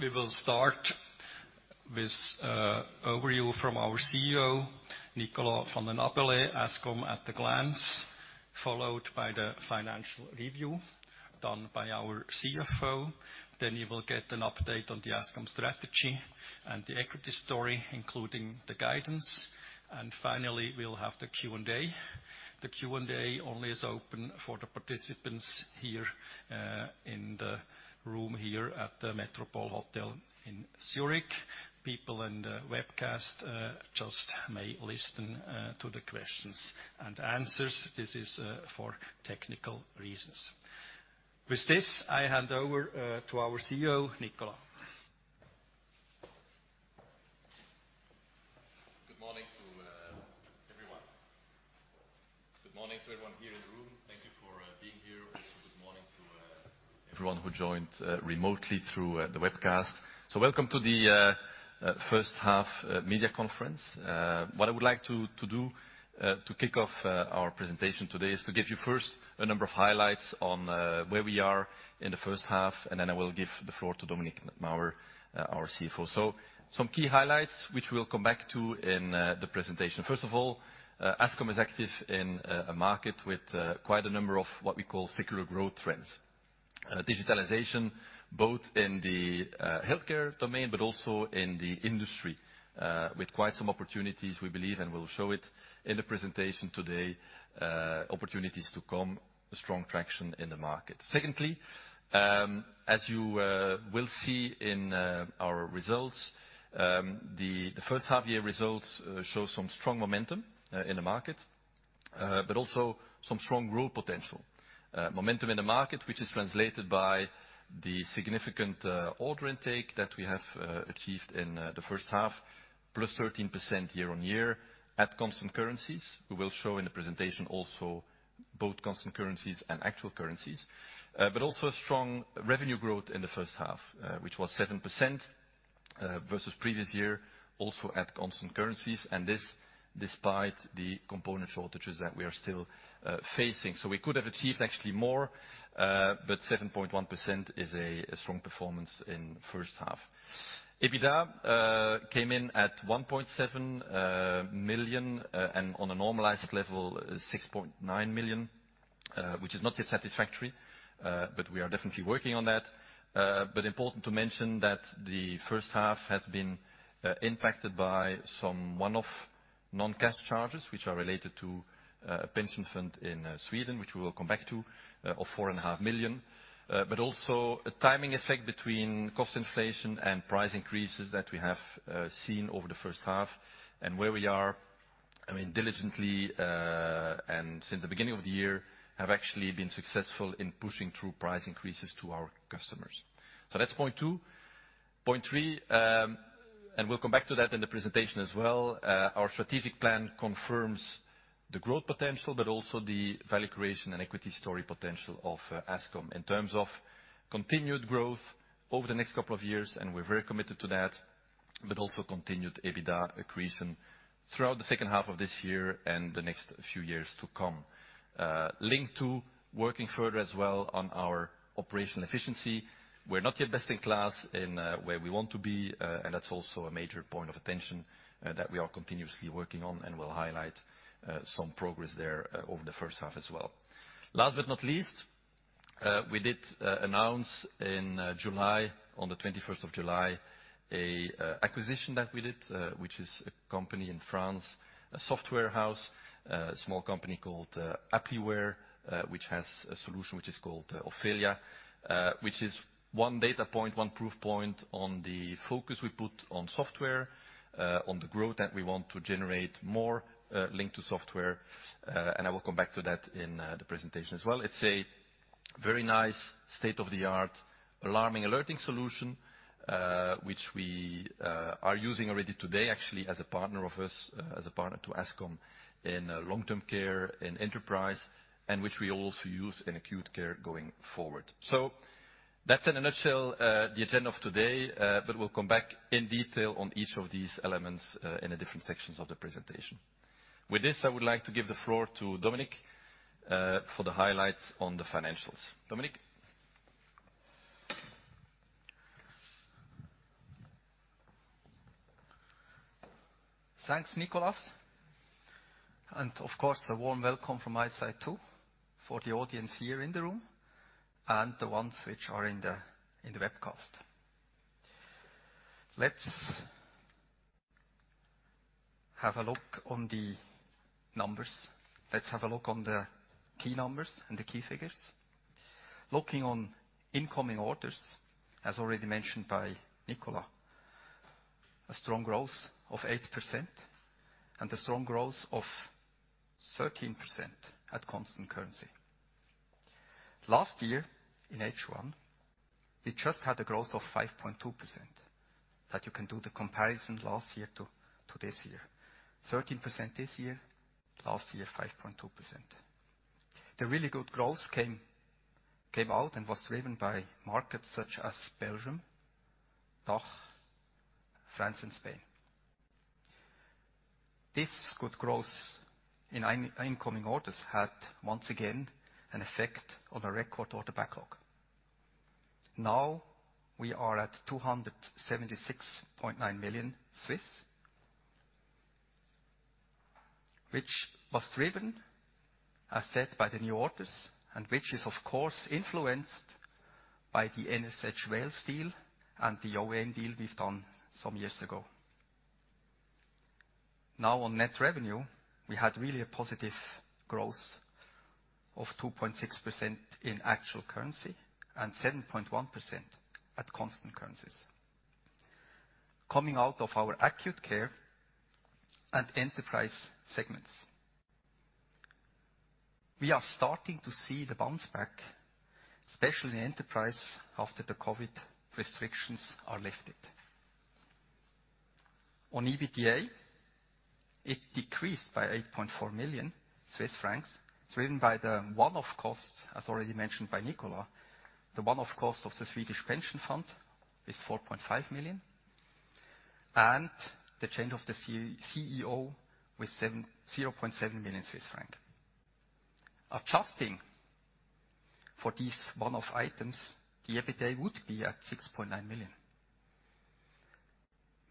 We will start with a review from our CEO, Nicolas Van den Abeele, Ascom at a glance, followed by the financial review done by our CFO. You will get an update on the Ascom strategy and the equity story, including the guidance. We'll have the Q&A. The Q&A only is open for the participants here in the room here at the Metropole Hotel in Zurich. People in the webcast just may listen to the questions and answers. This is for technical reasons. With this, I hand over to our CEO, Nicolas. Good morning to everyone. Good morning to everyone here in the room. Thank you for being here. Also, good morning to everyone who joined remotely through the webcast. Welcome to the first half media conference. What I would like to do to kick off our presentation today is to give you first a number of highlights on where we are in the first half, and then I will give the floor to Dominik Maurer, our CFO. Some key highlights which we'll come back to in the presentation. First of all, Ascom is active in a market with quite a number of what we call secular growth trends. Digitalization, both in the healthcare domain, but also in the industry, with quite some opportunities we believe, and we'll show it in the presentation today, opportunities to come, strong traction in the market. Secondly, as you will see in our results, the first half year results show some strong momentum in the market, but also some strong growth potential. Momentum in the market, which is translated by the significant order intake that we have achieved in the first half, +13% year-on-year at constant currencies. We will show in the presentation also both constant currencies and actual currencies. Also a strong revenue growth in the first half, which was 7% versus previous year, also at constant currencies, and this despite the component shortages that we are still facing. We could have achieved actually more, but 7.1% is a strong performance in first half. EBITDA came in at 1.7 million and on a normalized level, 6.9 million, which is not yet satisfactory, but we are definitely working on that. Important to mention that the first half has been impacted by some one-off non-cash charges, which are related to a pension fund in Sweden, which we will come back to, of 4.5 million. also a timing effect between cost inflation and price increases that we have seen over the first half. Where we are, I mean, diligently, and since the beginning of the year, have actually been successful in pushing through price increases to our customers. That's point two. Point three, and we'll come back to that in the presentation as well. Our strategic plan confirms the growth potential, but also the value creation and equity story potential of Ascom in terms of continued growth over the next couple of years, and we're very committed to that, but also continued EBITDA increase and throughout the second half of this year and the next few years to come. Linked to working further as well on our operational efficiency. We're not yet best in class in where we want to be. That's also a major point of attention that we are continuously working on and will highlight some progress there over the first half as well. Last but not least, we did announce in July, on the twenty-first of July, a acquisition that we did, which is a company in France, a software house, a small company called Appliware, which has a solution which is called Ofelia, which is one data point, one proof point on the focus we put on software, on the growth that we want to generate more linked to software. I will come back to that in the presentation as well. It's a very nice state-of-the-art alarming alerting solution, which we are using already today actually as a partner of us, as a partner to Ascom in long-term care, in enterprise, and which we will also use in acute care going forward. That's in a nutshell the agenda of today, but we'll come back in detail on each of these elements in the different sections of the presentation. With this, I would like to give the floor to Dominik for the highlights on the financials. Dominik? Thanks, Nicolas. Of course, a warm welcome from my side too, for the audience here in the room and the ones which are in the webcast. Let's have a look on the numbers. Let's have a look on the key numbers and the key figures. Looking on incoming orders, as already mentioned by Nicolas, a strong growth of 8% and a strong growth of 13% at constant currency. Last year in H1, we just had a growth of 5.2%, that you can do the comparison last year to this year. 13% this year, last year, 5.2%. The really good growth came out and was driven by markets such as Belgium, DACH, France and Spain. This good growth in incoming orders had once again an effect on the record order backlog. We are at 276.9 million CHF, which was driven, as said, by the new orders, and which is of course influenced by the NHS Wales deal and the OEM deal we've done some years ago. On net revenue, we had really a positive growth of 2.6% in actual currency and 7.1% at constant currencies. Coming out of our acute care and enterprise segments. We are starting to see the bounce back, especially in enterprise, after the COVID restrictions are lifted. On EBITDA, it decreased by 8.4 million Swiss francs, driven by the one-off costs, as already mentioned by Nicolas. The one-off cost of the Swedish pension fund is 4.5 million CHF, and the change of the CEO with 0.7 million Swiss franc. Adjusting for these one-off items, the EBITDA would be at 6.9 million,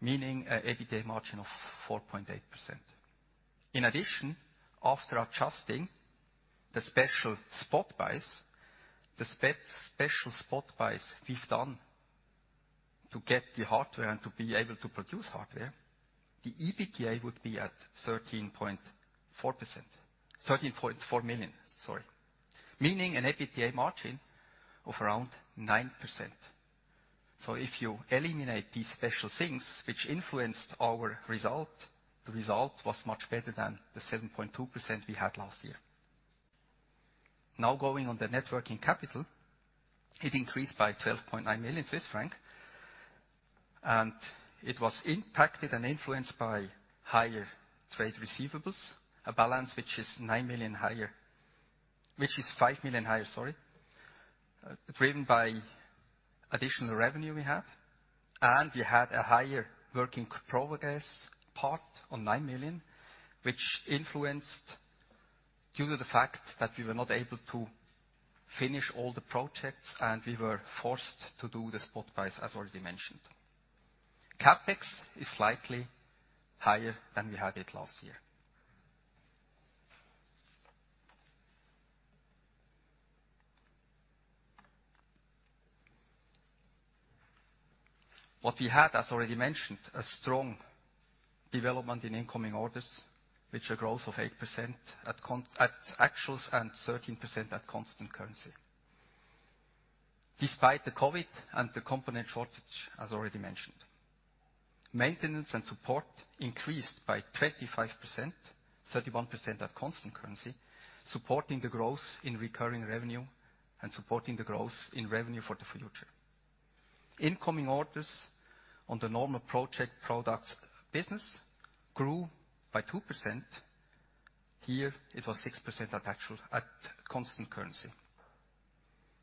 meaning an EBITDA margin of 4.8%. In addition, after adjusting the special spot buys we've done to get the hardware and to be able to produce hardware, the EBITDA would be at 13.4%—13.4 million, sorry, meaning an EBITDA margin of around 9%. If you eliminate these special things which influenced our result, the result was much better than the 7.2% we had last year. Now going on the net working capital, it increased by 12.9 million Swiss franc, and it was impacted and influenced by higher trade receivables, a balance which is 9 million higher—which is 5 million higher, sorry, driven by additional revenue we have. We had a higher WIP part of 9 million, which influenced due to the fact that we were not able to finish all the projects, and we were forced to do the spot buys, as already mentioned. CapEx is slightly higher than we had it last year. We had, as already mentioned, a strong development in incoming orders, with a growth of 8% at actuals and 13% at constant currency. Despite the COVID and the component shortage, as already mentioned. Maintenance and support increased by 25%, 31% at constant currency, supporting the growth in recurring revenue and supporting the growth in revenue for the future. Incoming orders on the normal project products business grew by 2%. Here it was 6% at constant currency.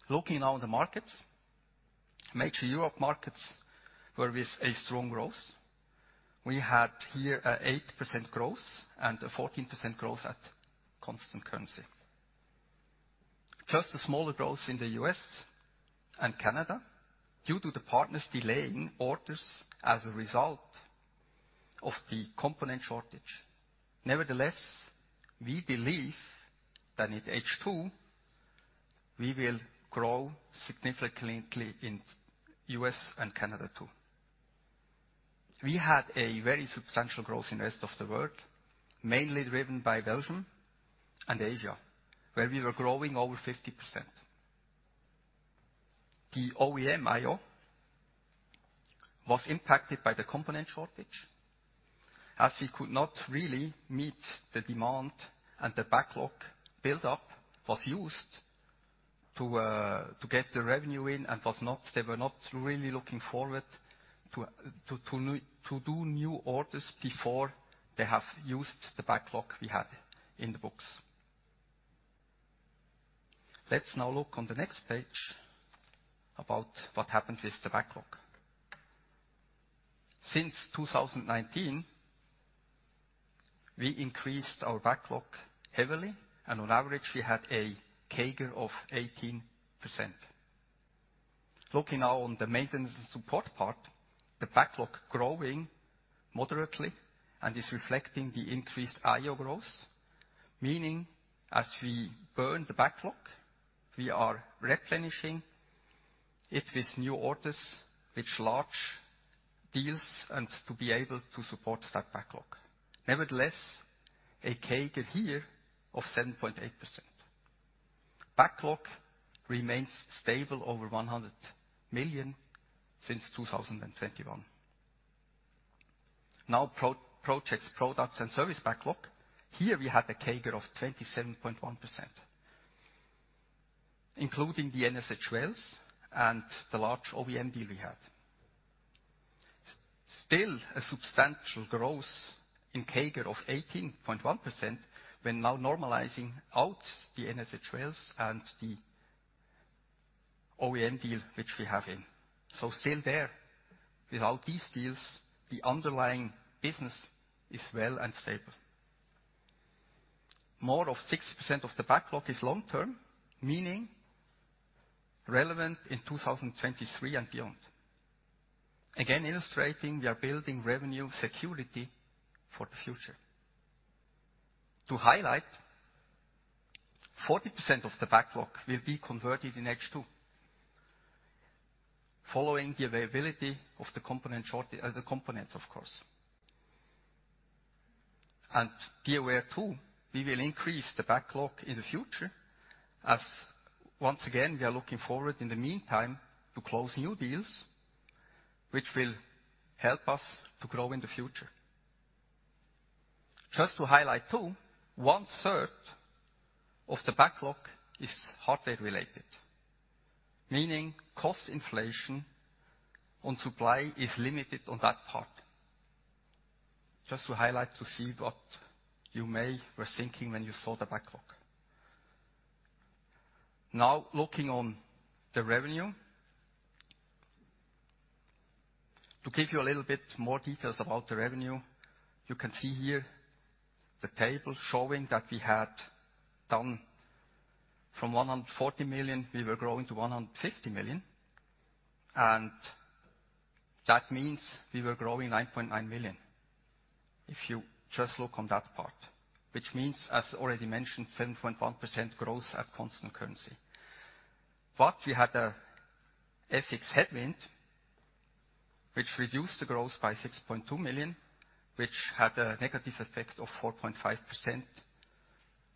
Looking now on the markets. Major Europe markets were with a strong growth. We had here an 8% growth and a 14% growth at constant currency. Just a smaller growth in the U.S. and Canada due to the partners delaying orders as a result of the component shortage. Nevertheless, we believe that in H2, we will grow significantly in U.S. and Canada too. We had a very substantial growth in rest of the world, mainly driven by Belgium and Asia, where we were growing over 50%. The OEM IO was impacted by the component shortage, as we could not really meet the demand, and the backlog buildup was used to get the revenue in and they were not really looking forward to do new orders before they have used the backlog we had in the books. Let's now look on the next page about what happened with the backlog. Since 2019, we increased our backlog heavily, and on average, we had a CAGR of 18%. Looking now on the maintenance and support part, the backlog growing moderately and is reflecting the increased IO growth, meaning as we burn the backlog, we are replenishing it with new orders, with large deals and to be able to support that backlog. Nevertheless, a CAGR here of 7.8%. Backlog remains stable over 100 million since 2021. Now projects, products, and service backlog. Here we have a CAGR of 27.1%, including the NHS Wales and the large OEM deal we had. Still a substantial growth in CAGR of 18.1% when now normalizing out the NHS Wales and the OEM deal which we have in. Still there, without these deals, the underlying business is well and stable. More than 60% of the backlog is long-term, meaning relevant in 2023 and beyond. Again, illustrating we are building revenue security for the future. To highlight, 40% of the backlog will be converted in H2, following the availability of the components, of course. Be aware too, we will increase the backlog in the future as once again, we are looking forward in the meantime to close new deals which will help us to grow in the future. Just to highlight too, one-third of the backlog is hardware related. Meaning cost inflation on supply is limited on that part. Just to highlight to see what you may have been thinking when you saw the backlog. Now looking on the revenue. To give you a little bit more details about the revenue, you can see here the table showing that we had gone from 140 million, we were growing to 150 million, and that means we were growing 9.9 million. If you just look on that part, which means, as already mentioned, 7.1% growth at constant currency. But we had a FX headwind which reduced the growth by 6.2 million, which had a negative effect of 4.5%.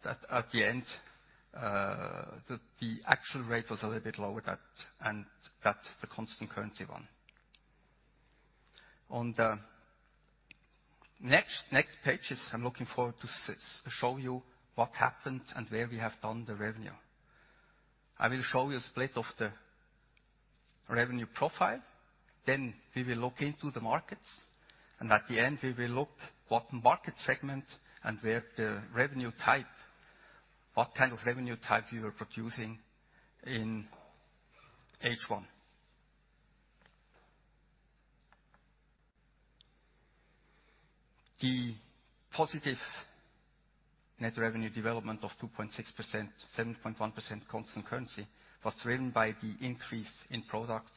That at the end, the actual rate was a little bit lower than that, and that's the constant currency one. On the next pages, I'm looking forward to show you what happened and where we have grown the revenue. I will show you a split of the revenue profile, then we will look into the markets, and at the end, we will look what market segment and where the revenue type, what kind of revenue type we were producing in H1. The positive net revenue development of 2.6%, 7.1% constant currency, was driven by the increase in products,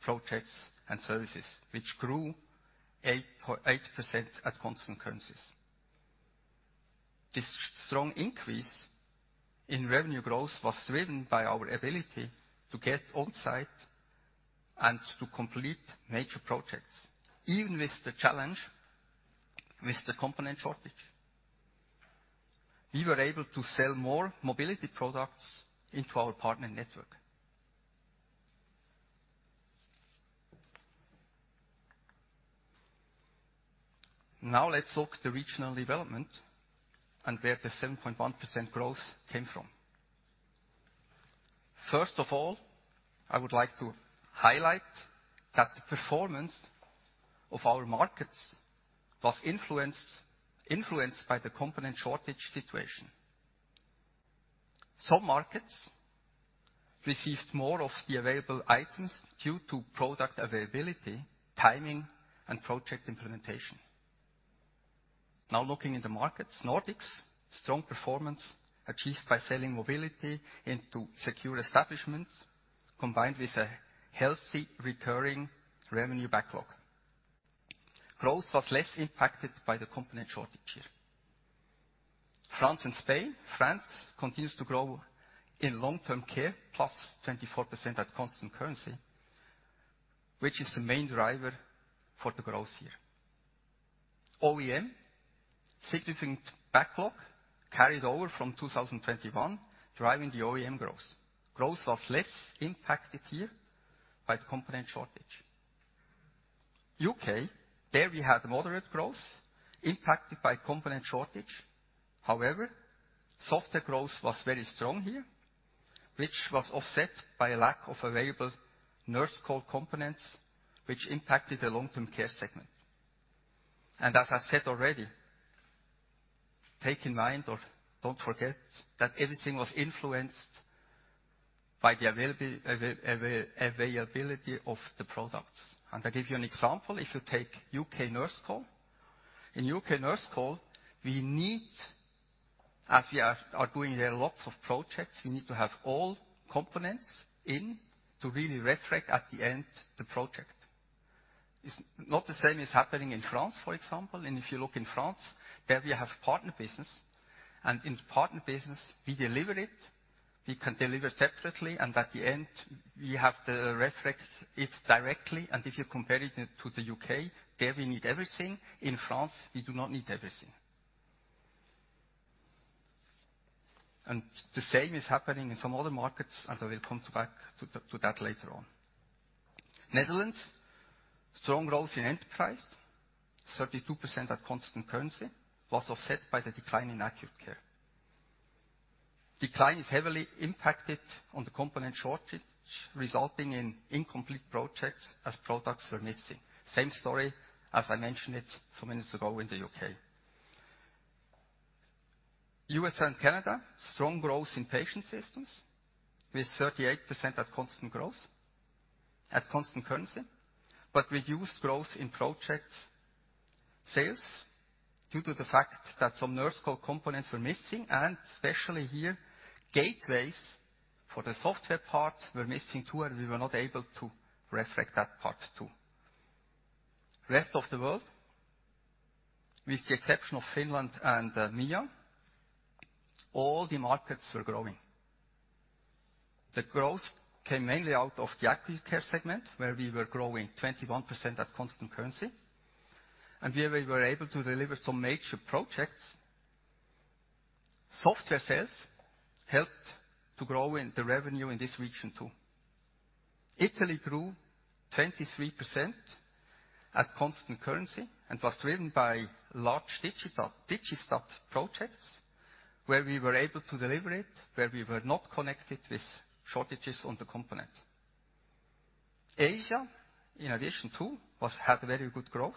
projects, and services, which grew 8% at constant currencies. This strong increase in revenue growth was driven by our ability to get on-site and to complete major projects, even with the challenge with the component shortage. We were able to sell more mobility products into our partner network. Now let's look at the regional development and where the 7.1% growth came from. First of all, I would like to highlight that the performance of our markets was influenced by the component shortage situation. Some markets received more of the available items due to product availability, timing, and project implementation. Now looking in the markets. Nordics, strong performance achieved by selling mobility into secure establishments, combined with a healthy recurring revenue backlog. Growth was less impacted by the component shortage here. France and Spain. France continues to grow in long-term care, plus 24% at constant currency, which is the main driver for the growth here. OEM, significant backlog carried over from 2021, driving the OEM growth. Growth was less impacted here by the component shortage. U.K., there we had moderate growth impacted by component shortage. However, software growth was very strong here, which was offset by a lack of available nurse call components, which impacted the long-term care segment. As I said already, take in mind or don't forget that everything was influenced by the availability of the products. I give you an example. If you take U.K. Nurse Call. In U.K. Nurse Call, we need, as we are doing there lots of projects, you need to have all components in to really retrofit at the end the project. It's not the same is happening in France, for example. If you look in France, there we have partner business. In partner business, we deliver it, we can deliver separately, and at the end, we have to retrofit it directly. If you compare it to the U.K., there we need everything. In France, we do not need everything. The same is happening in some other markets, and I will come back to that later on. Netherlands, strong growth in enterprise, 32% at constant currency, was offset by the decline in acute care. Decline is heavily impacted on the component shortage, resulting in incomplete projects as products were missing. Same story as I mentioned it some minutes ago in the U.K.. USA and Canada, strong growth in patient systems with 38% at constant currency. But reduced growth in project sales due to the fact that some Nurse Call components were missing, and especially here, gateways for the software part were missing too, and we were not able to reflect that part too. Rest of the world, with the exception of Finland and MEA, all the markets were growing. The growth came mainly out of the acute care segment, where we were growing 21% at constant currency, and here we were able to deliver some major projects. Software sales helped to grow the revenue in this region, too. Italy grew 23% at constant currency and was driven by large Digistat projects, where we were able to deliver it, where we were not connected with shortages on the component. Asia, in addition, too, had very good growth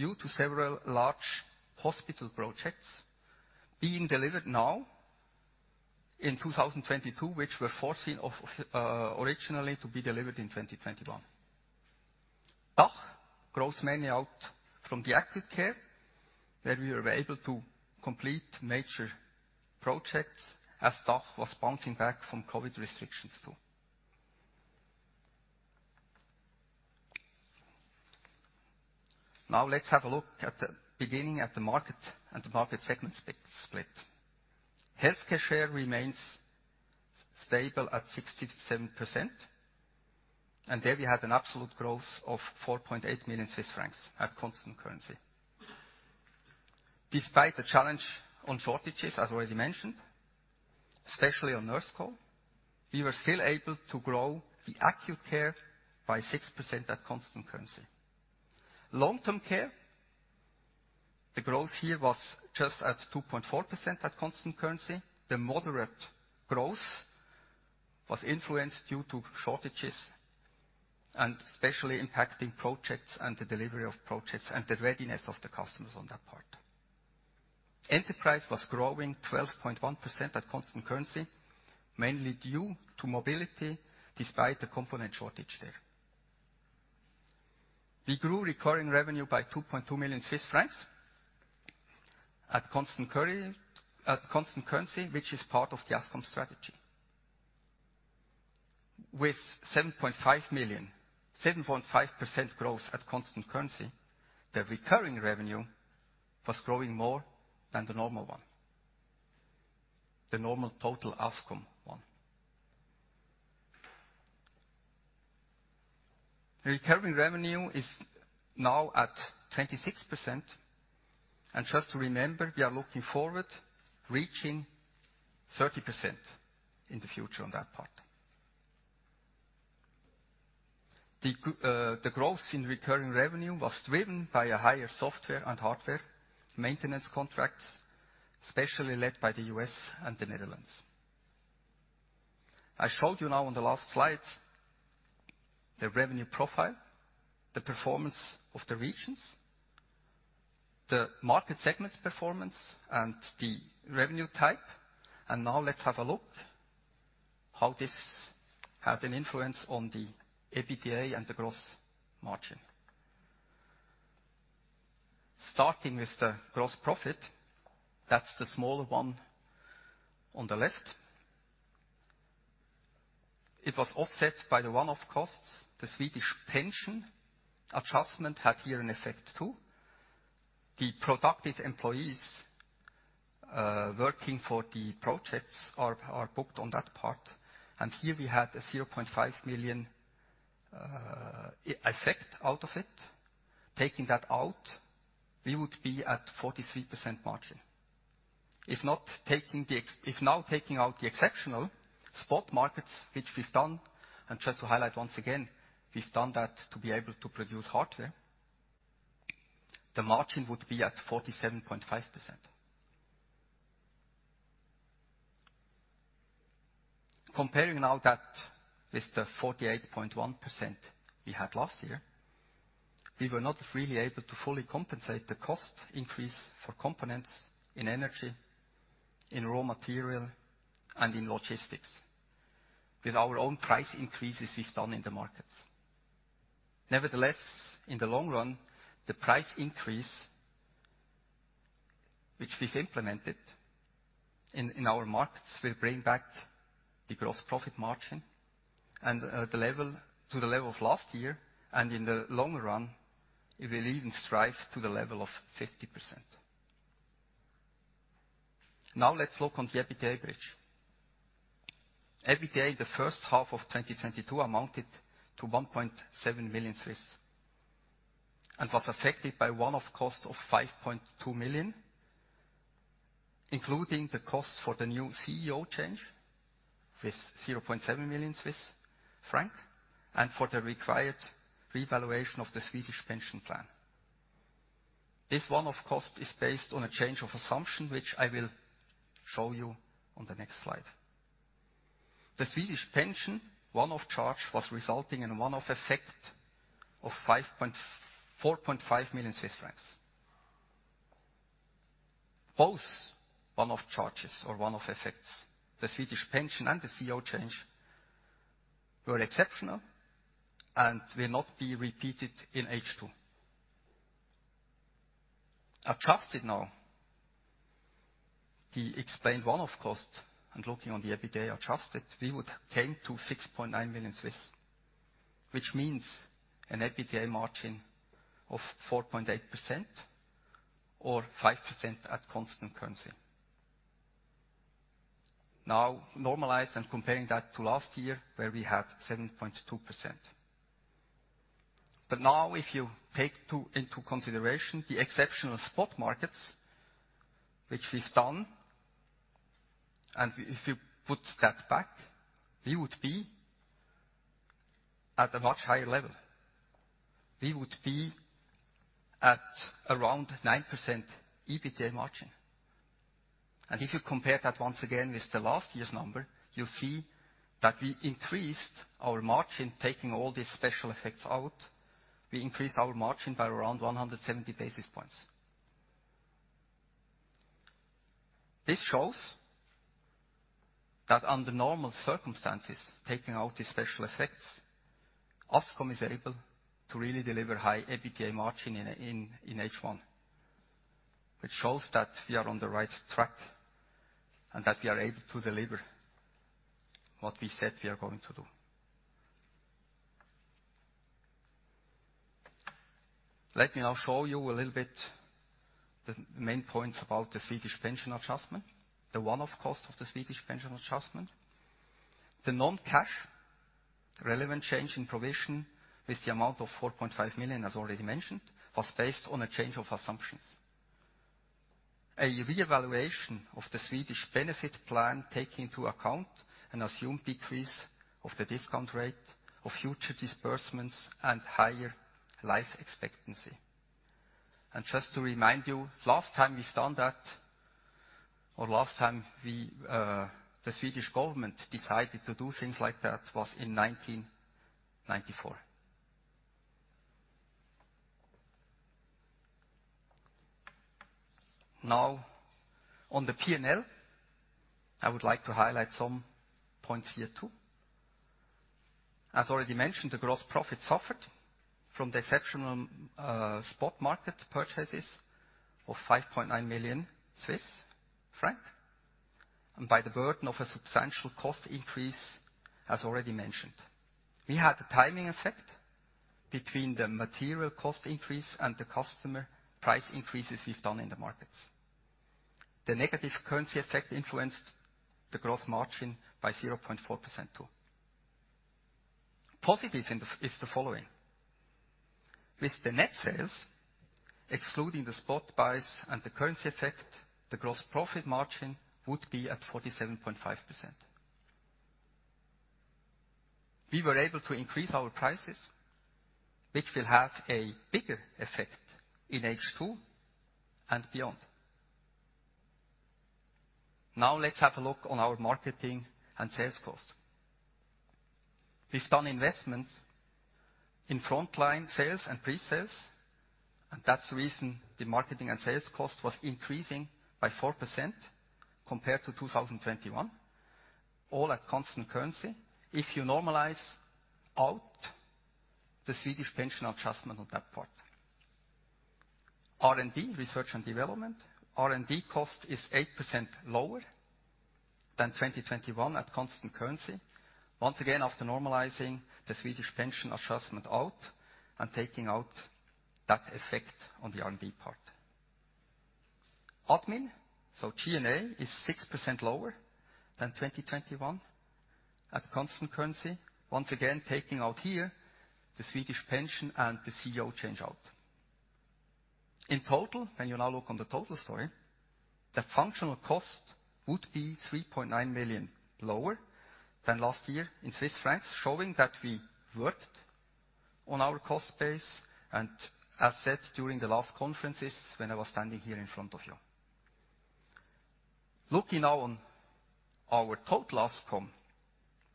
due to several large hospital projects being delivered now in 2022, which were foreseen of originally to be delivered in 2021. DACH grows mainly out from the acute care, where we were able to complete major projects as DACH was bouncing back from COVID restrictions, too. Now let's have a look at the breakdown of the market and the market segment split. Healthcare share remains stable at 67%, and there we had an absolute growth of 4.8 million Swiss francs at constant currency. Despite the challenge on shortages, as already mentioned, especially on Nurse Call, we were still able to grow the acute care by 6% at constant currency. Long-term care, the growth here was just at 2.4% at constant currency. The moderate growth was influenced due to shortages and especially impacting projects and the delivery of projects and the readiness of the customers on their part. Enterprise was growing 12.1% at constant currency, mainly due to mobility despite the component shortage there. We grew recurring revenue by 2.2 million Swiss francs at constant currency, which is part of the Ascom strategy. With 7.5% growth at constant currency, the recurring revenue was growing more than the normal one, the normal total Ascom one. The recurring revenue is now at 26%. Just to remember, we are looking forward reaching 30% in the future on that part. The growth in recurring revenue was driven by a higher software and hardware maintenance contracts, especially led by the U.S. and the Netherlands. I showed you now on the last slide the revenue profile, the performance of the regions, the market segment performance, and the revenue type. Now let's have a look how this had an influence on the EBITDA and the gross margin. Starting with the gross profit, that's the smaller one on the left. It was offset by the one-off costs. The Swedish pension adjustment had here an effect, too. The productive employees working for the projects are booked on that part, and here we had a 0.5 million effect out of it. Taking that out, we would be at 43% margin. If now taking out the exceptional spot markets, which we've done, and just to highlight once again, we've done that to be able to produce hardware, the margin would be at 47.5%. Comparing now that with the 48.1% we had last year, we were not really able to fully compensate the cost increase for components in energy, in raw material, and in logistics with our own price increases we've done in the markets. Nevertheless, in the long run, the price increase which we've implemented in our markets will bring back the gross profit margin to the level of last year, and in the long run it will even strive to the level of 50%. Now let's look on the EBITDA bridge. EBITDA in the first half of 2022 amounted to 1.7 million and was affected by one-off cost of 5.2 million, including the cost for the new CEO change with 0.7 million Swiss francs, and for the required revaluation of the Swedish pension plan. This one-off cost is based on a change of assumption, which I will show you on the next slide. The Swedish pension one-off charge was resulting in a one-off effect of 4.5 million Swiss francs. Both one-off charges or one-off effects, the Swedish pension and the CEO change, were exceptional and will not be repeated in H2. Adjusted now, the explained one-off cost and looking on the EBITDA adjusted, we would came to 6.9 million, which means an EBITDA margin of 4.8% or 5% at constant currency. Now normalized and comparing that to last year where we had 7.2%. Now if you take into consideration the exceptional spot markets which we've done, and if you put that back, we would be at a much higher level. We would be at around 9% EBITDA margin. If you compare that once again with the last year's number, you'll see that we increased our margin, taking all these special effects out. We increased our margin by around 170 basis points. This shows that under normal circumstances, taking out the special effects, Ascom is able to really deliver high EBITDA margin in H1, which shows that we are on the right track and that we are able to deliver what we said we are going to do. Let me now show you a little bit the main points about the Swedish pension adjustment, the one-off cost of the Swedish pension adjustment. The non-cash relevant change in provision is the amount of 4.5 million, as already mentioned, was based on a change of assumptions. A reevaluation of the Swedish benefit plan, taking into account an assumed decrease of the discount rate of future disbursements and higher life expectancy. Just to remind you, last time we've done that, or last time we, the Swedish government decided to do things like that was in 1994. Now, on the P&L, I would like to highlight some points here too. As already mentioned, the gross profit suffered from the exceptional, spot market purchases of 5.9 million Swiss francs, and by the burden of a substantial cost increase, as already mentioned. We had a timing effect between the material cost increase and the customer price increases we've done in the markets. The negative currency effect influenced the gross margin by 0.4% too. Positive in the F.X. is the following. With the net sales, excluding the spot buys and the currency effect, the gross profit margin would be at 47.5%. We were able to increase our prices, which will have a bigger effect in H2 and beyond. Now let's have a look on our marketing and sales cost. We've done investments in frontline sales and pre-sales, and that's the reason the marketing and sales cost was increasing by 4% compared to 2021, all at constant currency. If you normalize out the Swedish pension adjustment on that part. R&D, research and development. R&D cost is 8% lower than 2021 at constant currency. Once again, after normalizing the Swedish pension adjustment out and taking out that effect on the R&D part. Admin, so G&A is 6% lower than 2021 at constant currency. Once again, taking out here the Swedish pension and the CEO change out. In total, when you now look on the total story, the functional cost would be 3.9 million lower than last year in Swiss francs, showing that we worked on our cost base, and as said during the last conferences when I was standing here in front of you. Looking now on our total Ascom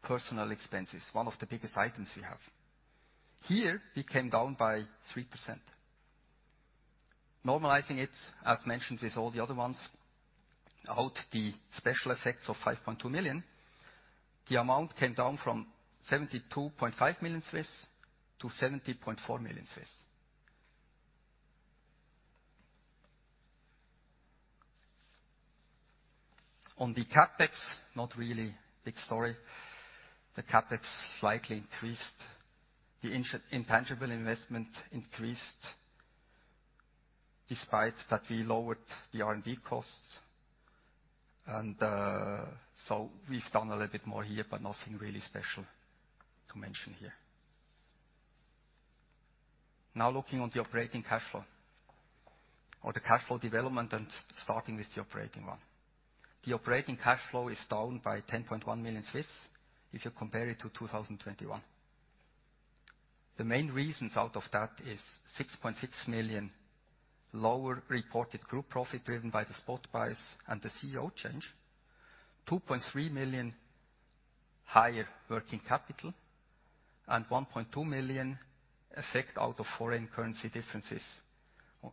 personnel expenses, one of the biggest items we have. Here, we came down by 3%. Normalizing it, as mentioned with all the other ones, without the special effects of 5.2 million, the amount came down from 72.5 million to 70.4 million. On the CapEx, not really big story. The CapEx slightly increased. The intangible investment increased despite that we lowered the R&D costs. We've done a little bit more here, but nothing really special to mention here. Now looking on the operating cash flow or the cash flow development and starting with the operating one. The operating cash flow is down by 10.1 million if you compare it to 2021. The main reasons out of that is 6.6 million lower reported group profit driven by the spot price and the CEO change. 2.3 million higher working capital and 1.2 million effect out of foreign currency differences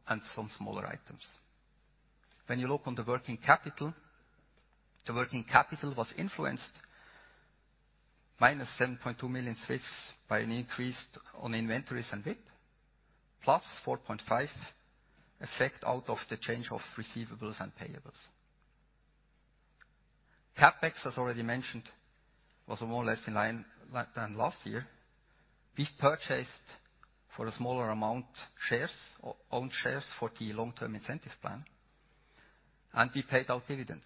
and some smaller items. When you look on the working capital, the working capital was influenced minus 7.2 million by an increase on inventories and WIP, plus 4.5 million effect out of the change of receivables and payables. CapEx, as already mentioned, was more or less in line than last year. We purchased for a smaller amount shares or own shares for the long-term incentive plan, and we paid out dividends.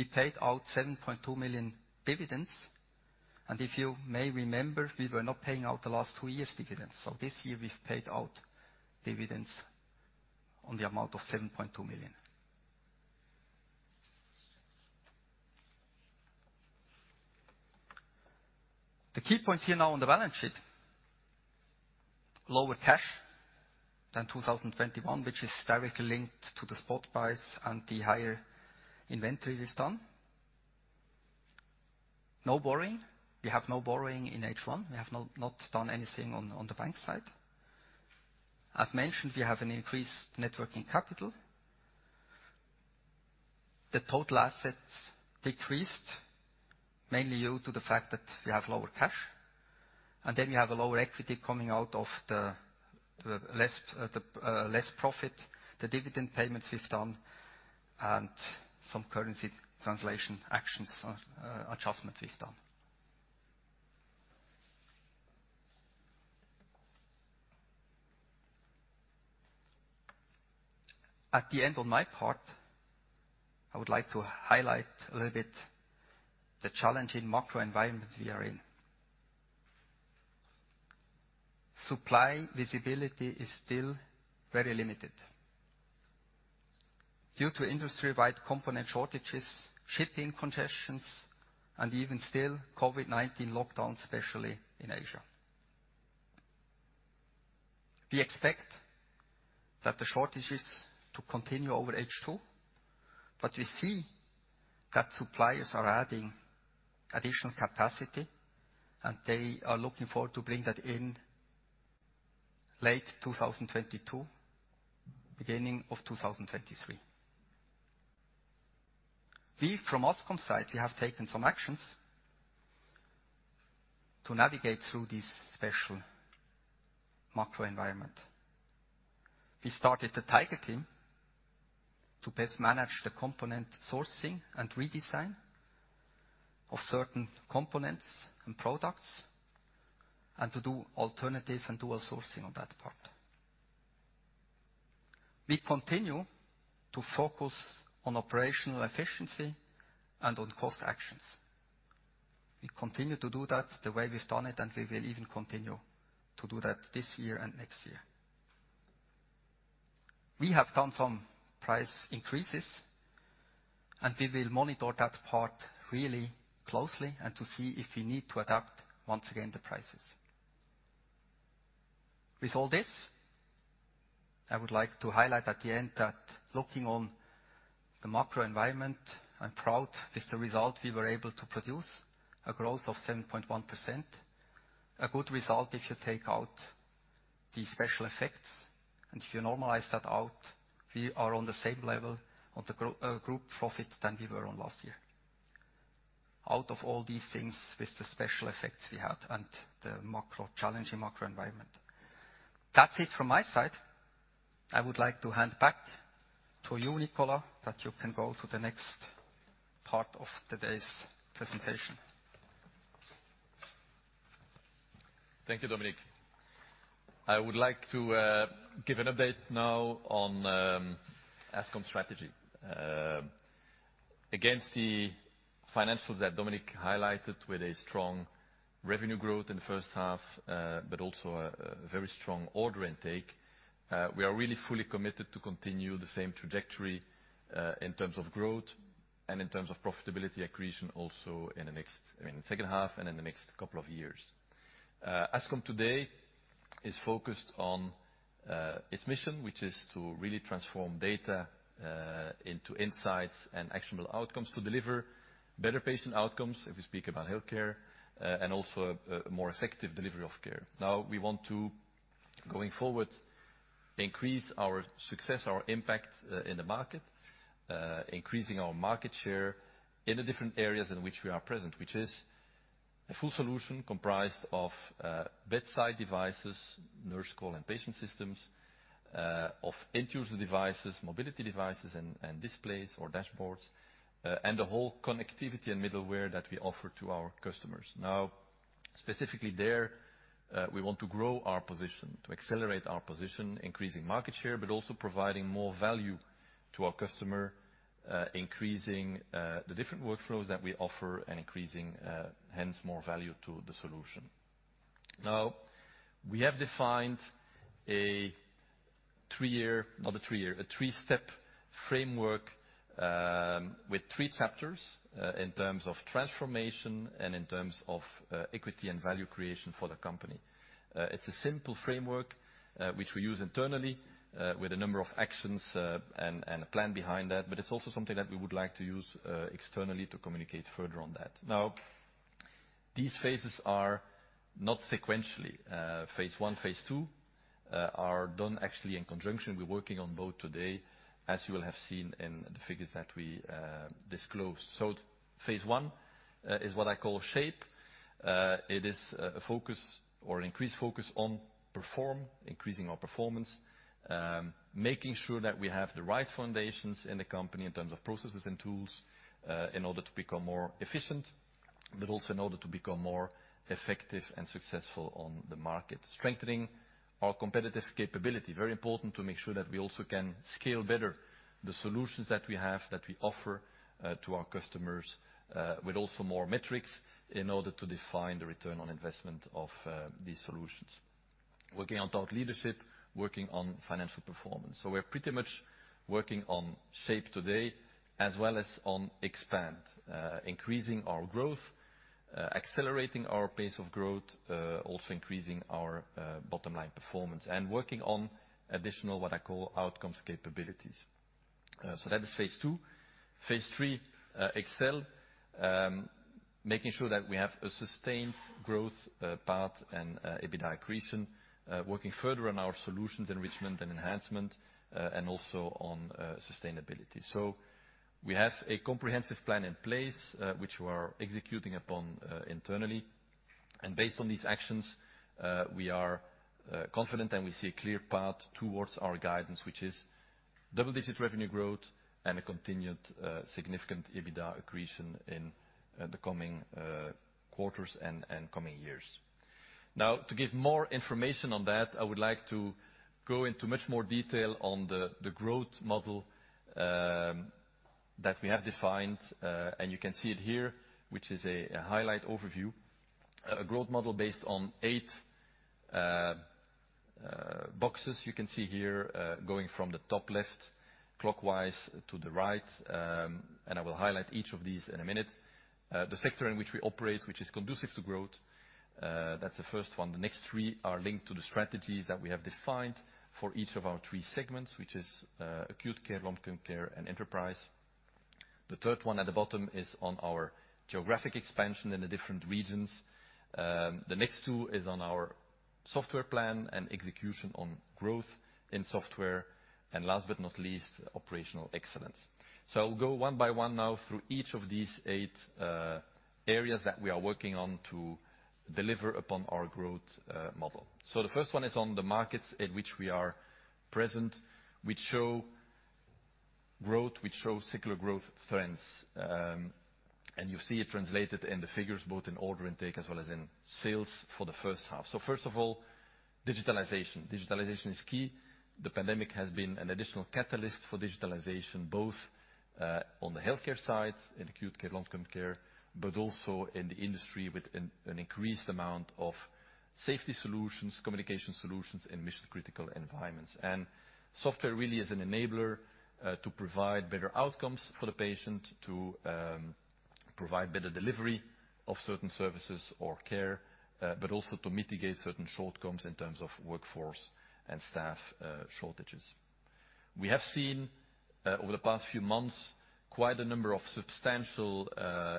We paid out 7.2 million dividends, and if you may remember, we were not paying out the last two years' dividends. This year we've paid out dividends on the amount of 7.2 million. The key points here now on the balance sheet, lower cash than 2021, which is directly linked to the spot price and the higher inventory we've done. No borrowing. We have no borrowing in H1. We have not done anything on the bank side. As mentioned, we have an increased net working capital. The total assets decreased, mainly due to the fact that we have lower cash, and then we have a lower equity coming out of the less profit, the dividend payments we've done, and some currency translation actions, adjustments we've done. At the end of my part, I would like to highlight a little bit the challenging macro environment we are in. Supply visibility is still very limited due to industry-wide component shortages, shipping congestions, and even still COVID-19 lockdowns, especially in Asia. We expect that the shortage is to continue over H2, but we see that suppliers are adding additional capacity, and they are looking forward to bring that in late 2022, beginning of 2023. We from Ascom side, we have taken some actions to navigate through this special macro environment. We started the Tiger Team to best manage the component sourcing and redesign of certain components and products and to do alternative and dual sourcing on that part. We continue to focus on operational efficiency and on cost actions. We continue to do that the way we've done it, and we will even continue to do that this year and next year. We have done some price increases, and we will monitor that part really closely and to see if we need to adapt once again the prices. With all this, I would like to highlight at the end that looking on the macro environment, I'm proud with the result we were able to produce, a growth of 7.1%. A good result if you take out the special effects, and if you normalize that out, we are on the same level of the group profit than we were on last year. Out of all these things with the special effects we had and the challenging macro environment. That's it from my side. I would like to hand back to you, Nicolas, that you can go to the next part of today's presentation. Thank you, Dominik. I would like to give an update now on Ascom strategy. Against the financials that Dominik highlighted with a strong revenue growth in the first half, but also a very strong order intake, we are really fully committed to continue the same trajectory, in terms of growth and in terms of profitability accretion also in the second half and in the next couple of years. Ascom today is focused on its mission, which is to really transform data into insights and actionable outcomes to deliver better patient outcomes, if you speak about healthcare, and also a more effective delivery of care. Now, we want to, going forward, increase our success, our impact, in the market, increasing our market share in the different areas in which we are present, which is a full solution comprised of, bedside devices, Nurse Call and patient systems, of end-user devices, mobility devices and displays or dashboards, and the whole connectivity and middleware that we offer to our customers. Now, specifically there, we want to grow our position, to accelerate our position, increasing market share, but also providing more value to our customer, increasing the different workflows that we offer and increasing hence more value to the solution. We have defined a three-step framework with three chapters in terms of transformation and in terms of equity and value creation for the company. It's a simple framework, which we use internally, with a number of actions, and a plan behind that, but it's also something that we would like to use, externally to communicate further on that. Now, these phases are not sequentially. Phase one, phase two, are done actually in conjunction. We're working on both today, as you will have seen in the figures that we disclosed. Phase 1, is what I call shape. It is a focus or increased focus on performance, increasing our performance, making sure that we have the right foundations in the company in terms of processes and tools, in order to become more efficient, but also in order to become more effective and successful on the market. Strengthening our competitive capability, very important to make sure that we also can scale better the solutions that we have, that we offer, to our customers, with also more metrics in order to define the return on investment of these solutions. Working on thought leadership, working on financial performance. We're pretty much working on shape today as well as on expand, increasing our growth, accelerating our pace of growth, also increasing our bottom line performance and working on additional, what I call outcomes capabilities. That is phase two. Phase three, excel, making sure that we have a sustained growth path and EBITDA accretion, working further on our solutions enrichment and enhancement, and also on sustainability. We have a comprehensive plan in place, which we are executing upon, internally. Based on these actions, we are confident and we see a clear path towards our guidance, which is double-digit revenue growth and a continued significant EBITDA accretion in the coming quarters and coming years. Now, to give more information on that, I would like to go into much more detail on the growth model that we have defined. You can see it here, which is a highlight overview. A growth model based on eight boxes you can see here, going from the top left clockwise to the right. I will highlight each of these in a minute. The sector in which we operate, which is conducive to growth, that's the first one. The next three are linked to the strategies that we have defined for each of our three segments, which is acute care, long-term care, and enterprise. The third one at the bottom is on our geographic expansion in the different regions. The next two is on our software plan and execution on growth in software. Last but not least, operational excellence. I'll go one by one now through each of these eight areas that we are working on to deliver upon our growth model. The first one is on the markets in which we are present, which show growth, which show secular growth trends. You see it translated in the figures, both in order intake as well as in sales for the first half. First of all, digitalization. Digitalization is key. The pandemic has been an additional catalyst for digitalization, both on the healthcare side, in acute care, long-term care, but also in the industry with an increased amount of safety solutions, communication solutions, and mission-critical environments. Software really is an enabler to provide better outcomes for the patient, to provide better delivery of certain services or care, but also to mitigate certain shortcomings in terms of workforce and staff shortages. We have seen over the past few months, quite a number of substantial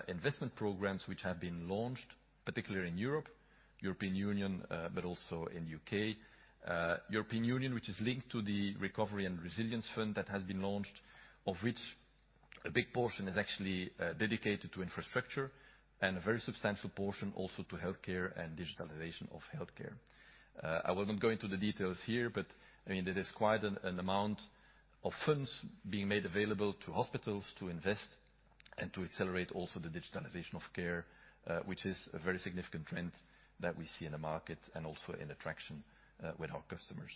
investment programs which have been launched, particularly in Europe, European Union, but also in U.K.. European Union, which is linked to the Recovery and Resilience Facility that has been launched, of which a big portion is actually dedicated to infrastructure and a very substantial portion also to healthcare and digitalization of healthcare. I will not go into the details here, but I mean, there is quite an amount of funds being made available to hospitals to invest and to accelerate also the digitalization of care, which is a very significant trend that we see in the market and also in traction with our customers.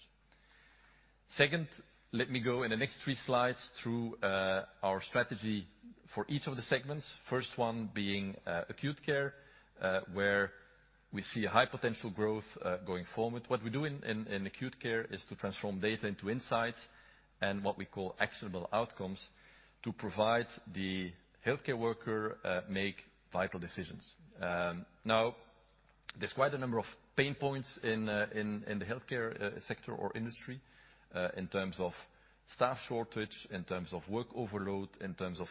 Second, let me go through the next three slides our strategy for each of the segments. First one being acute care, where we see a high potential growth going forward. What we do in acute care is to transform data into insights and what we call actionable outcomes to provide the healthcare worker make vital decisions. Now there's quite a number of pain points in the healthcare sector or industry, in terms of staff shortage, in terms of work overload, in terms of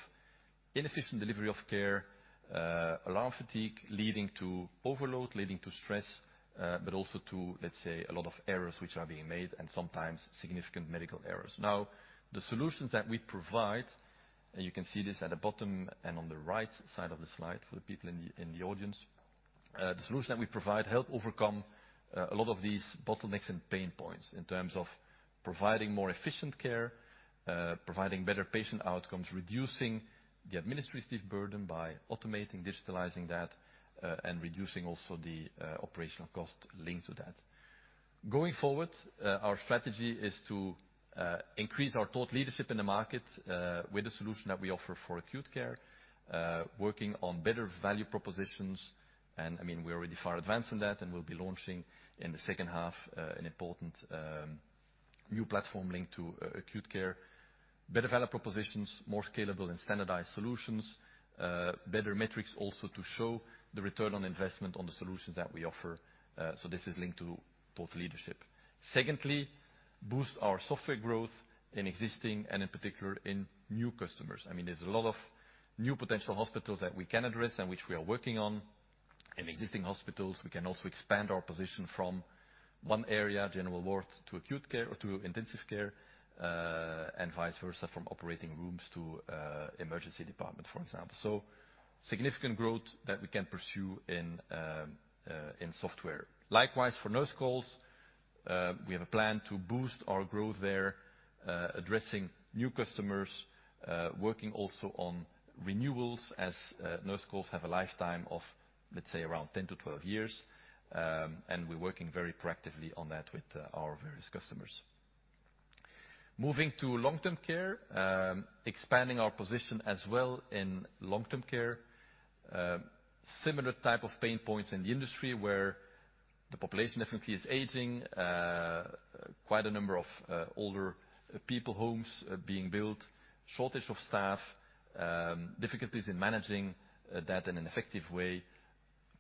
inefficient delivery of care, alarm fatigue, leading to overload, leading to stress, but also to, let's say, a lot of errors which are being made and sometimes significant medical errors. Now, the solutions that we provide, and you can see this at the bottom and on the right side of the slide for the people in the audience. The solutions that we provide help overcome a lot of these bottlenecks and pain points in terms of providing more efficient care, providing better patient outcomes, reducing the administrative burden by automating, digitalizing that, and reducing also the operational cost linked to that. Going forward, our strategy is to increase our thought leadership in the market with the solution that we offer for acute care, working on better value propositions. I mean, we're already far advanced on that, and we'll be launching in the second half an important new platform linked to acute care, better value propositions, more scalable and standardized solutions, better metrics also to show the return on investment on the solutions that we offer. So this is linked to both leadership. Secondly, boost our software growth in existing and in particular in new customers. I mean, there's a lot of new potential hospitals that we can address and which we are working on. In existing hospitals, we can also expand our position from one area, general ward, to acute care or to intensive care, and vice versa, from operating rooms to emergency department, for example. Significant growth that we can pursue in software. Likewise, for nurse calls, we have a plan to boost our growth there, addressing new customers, working also on renewals as nurse calls have a lifetime of, let's say, around 10-12 years, and we're working very proactively on that with our various customers. Moving to long-term care, expanding our position as well in long-term care. Similar type of pain points in the industry where the population definitely is aging, quite a number of, older people homes being built, shortage of staff, difficulties in managing, that in an effective way,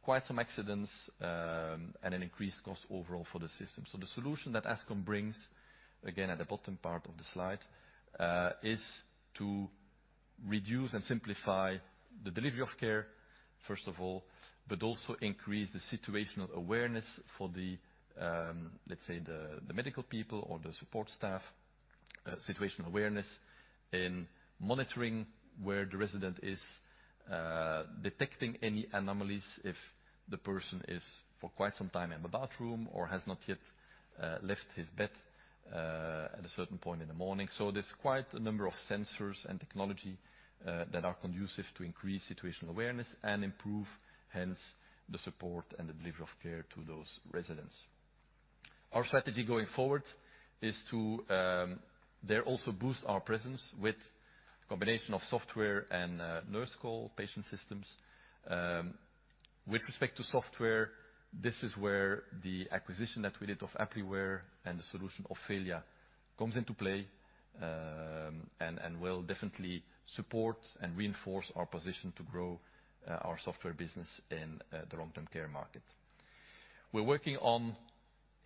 quite some accidents, and an increased cost overall for the system. The solution that Ascom brings, again at the bottom part of the slide, is to reduce and simplify the delivery of care, first of all, but also increase the situational awareness for the, let's say, the medical people or the support staff. Situational awareness in monitoring where the resident is, detecting any anomalies if the person is for quite some time in the bathroom or has not yet, left his bed, at a certain point in the morning. There's quite a number of sensors and technology that are conducive to increase situational awareness and improve, hence, the support and the delivery of care to those residents. Our strategy going forward is to also boost our presence with a combination of software and nurse call patient systems. With respect to software, this is where the acquisition that we did of Appliware and the solution Ofelia comes into play, and will definitely support and reinforce our position to grow our software business in the long-term care market. We're working on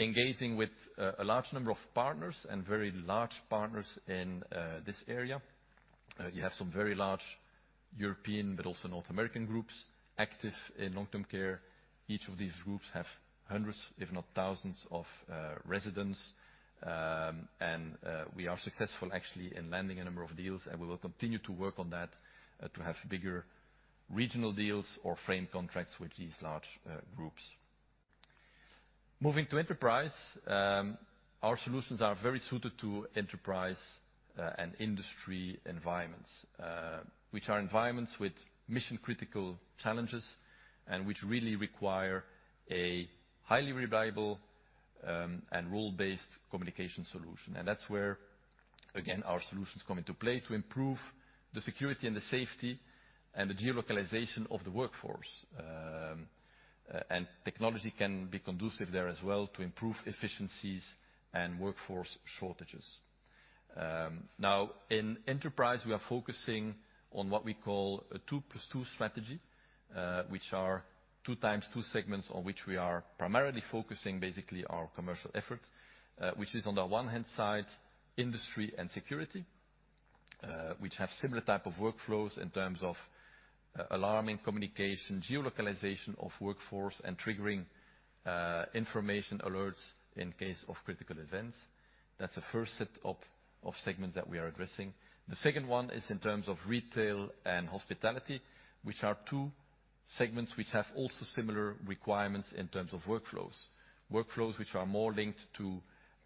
engaging with a large number of partners and very large partners in this area. You have some very large European, but also North American groups active in long-term care. Each of these groups have hundreds, if not thousands, of residents. We are successful actually in landing a number of deals, and we will continue to work on that, to have bigger regional deals or framework contracts with these large groups. Moving to enterprise, our solutions are very suited to enterprise and industry environments, which are environments with mission-critical challenges and which really require a highly reliable and role-based communication solution. That's where, again, our solutions come into play to improve the security and the safety and the geolocation of the workforce. Technology can be conducive there as well to improve efficiencies and workforce shortages. Now, in enterprise, we are focusing on what we call a two plus two strategy, which are two times two segments on which we are primarily focusing basically our commercial effort, which is on the one hand side, industry and security, which have similar type of workflows in terms of alarming communication, geolocation of workforce, and triggering information alerts in case of critical events. That's the first set of segments that we are addressing. The second one is in terms of retail and hospitality, which are two segments which have also similar requirements in terms of workflows. Workflows which are more linked to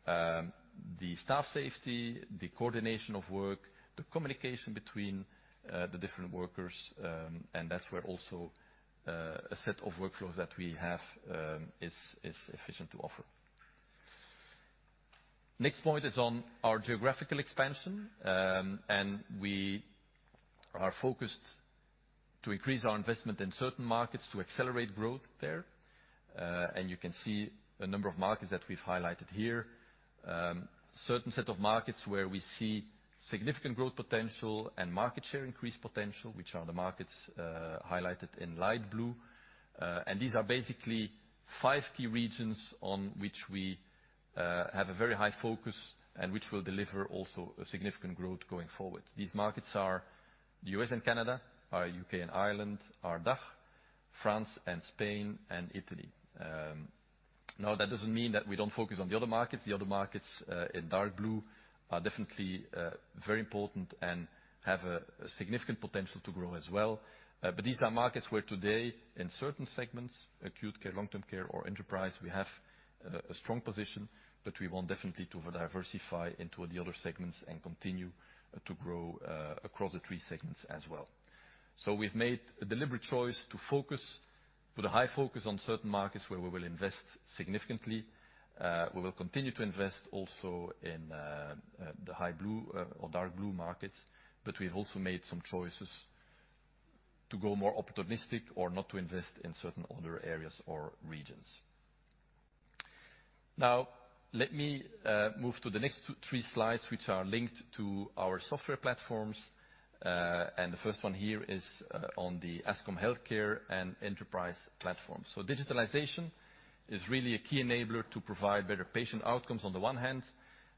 the staff safety, the coordination of work, the communication between the different workers, and that's where also a set of workflows that we have is efficient to offer. Next point is on our geographical expansion. We are focused to increase our investment in certain markets to accelerate growth there. You can see a number of markets that we've highlighted here. Certain set of markets where we see significant growth potential and market share increase potential, which are the markets highlighted in light blue. These are basically five key regions on which we have a very high focus and which will deliver also a significant growth going forward. These markets are the U.S. and Canada, the U.K. and Ireland, DACH, France and Spain and Italy. Now that doesn't mean that we don't focus on the other markets. The other markets in dark blue are definitely very important and have a significant potential to grow as well. These are markets where today, in certain segments, acute care, long-term care, or enterprise, we have a strong position, but we want definitely to diversify into the other segments and continue to grow across the three segments as well. We've made a deliberate choice to put a high focus on certain markets where we will invest significantly. We will continue to invest also in the high blue or dark blue markets, but we've also made some choices to go more opportunistic or not to invest in certain other areas or regions. Now, let me move to the next three slides, which are linked to our software platforms. The first one here is on the Ascom healthcare and enterprise platform. Digitalization is really a key enabler to provide better patient outcomes on the one hand,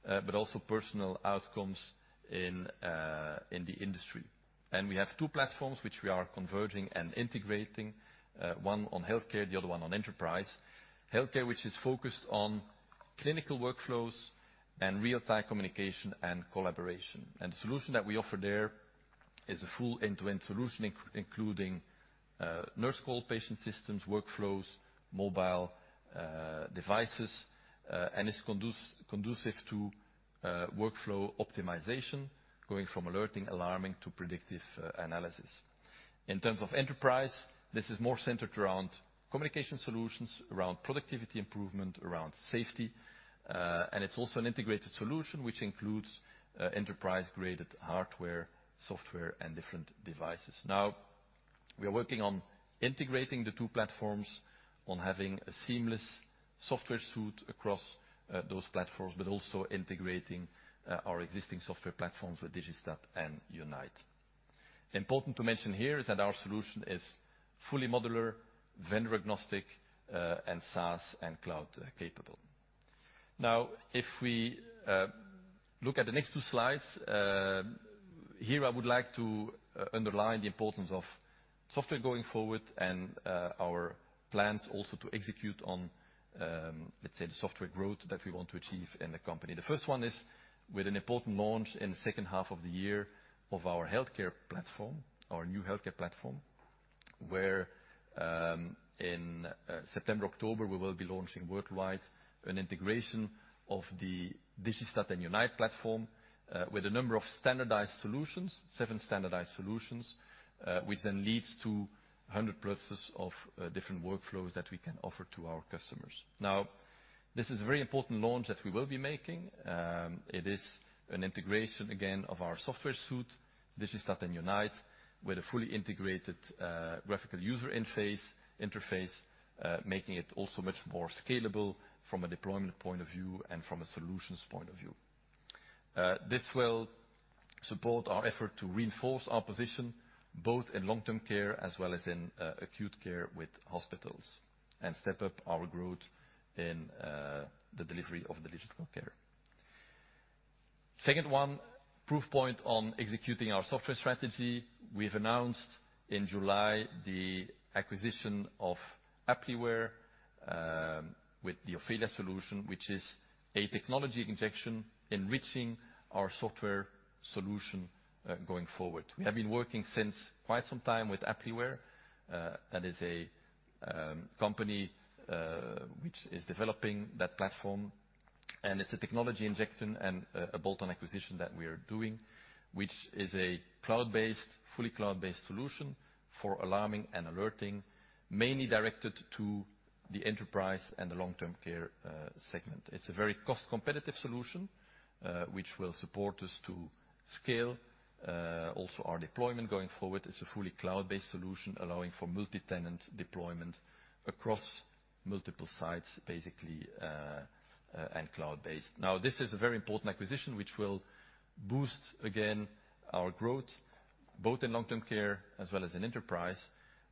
but also personnel outcomes in the industry. We have two platforms which we are converging and integrating, one on healthcare, the other one on enterprise. Healthcare, which is focused on clinical workflows and real-time communication and collaboration. The solution that we offer there is a full end-to-end solution including Nurse Call patient systems, workflows, mobile devices, and it's conducive to workflow optimization, going from alerting, alarming to predictive analysis. In terms of enterprise, this is more centered around communication solutions, around productivity improvement, around safety, and it's also an integrated solution which includes enterprise-grade hardware, software, and different devices. Now, we are working on integrating the two platforms, on having a seamless software suite across those platforms, but also integrating our existing software platforms with Digistat and Unite. Important to mention here is that our solution is fully modular, vendor-agnostic, and SaaS and cloud capable. Now, if we look at the next two slides here, I would like to underline the importance of software going forward and our plans also to execute on, let's say, the software growth that we want to achieve in the company. The first one is with an important launch in the second half of the year of our healthcare platform, our new healthcare platform, where in September, October, we will be launching worldwide an integration of the Digistat and Unite platform with a number of standardized solutions, seven standardized solutions, which then leads to hundreds of different workflows that we can offer to our customers. Now, this is a very important launch that we will be making. It is an integration, again, of our software suite, Digistat and Unite, with a fully integrated graphical user interface, making it also much more scalable from a deployment point of view and from a solutions point of view. This will support our effort to reinforce our position both in long-term care as well as in acute care with hospitals and step up our growth in the delivery of the digital care. Second one, proof point on executing our software strategy. We've announced in July the acquisition of Appliware with the Ofelia solution, which is a technology injection enriching our software solution going forward. We have been working since quite some time with Appliware, that is a company which is developing that platform. It's a technology injection and a bolt-on acquisition that we are doing, which is a cloud-based, fully cloud-based solution for alarming and alerting, mainly directed to the enterprise and the long-term care segment. It's a very cost-competitive solution which will support us to scale also our deployment going forward. It's a fully cloud-based solution, allowing for multi-tenant deployment across multiple sites, basically, and cloud based. Now, this is a very important acquisition which will boost, again, our growth, both in long-term care as well as in enterprise,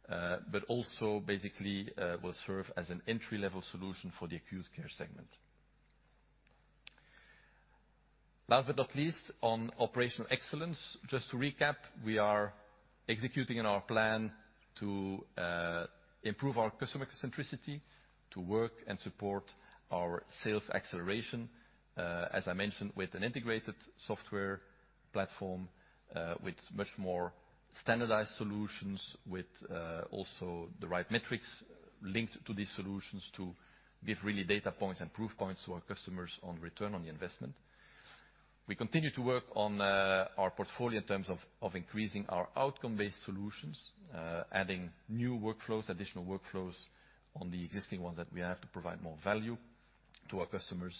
but also basically, will serve as an entry-level solution for the acute care segment. Last but not least, on operational excellence, just to recap, we are executing in our plan to improve our customer centricity, to work and support our sales acceleration, as I mentioned, with an integrated software platform, with much more standardized solutions, with, also the right metrics linked to these solutions to give really data points and proof points to our customers on return on the investment. We continue to work on our portfolio in terms of increasing our outcome-based solutions, adding new workflows, additional workflows on the existing ones that we have to provide more value to our customers.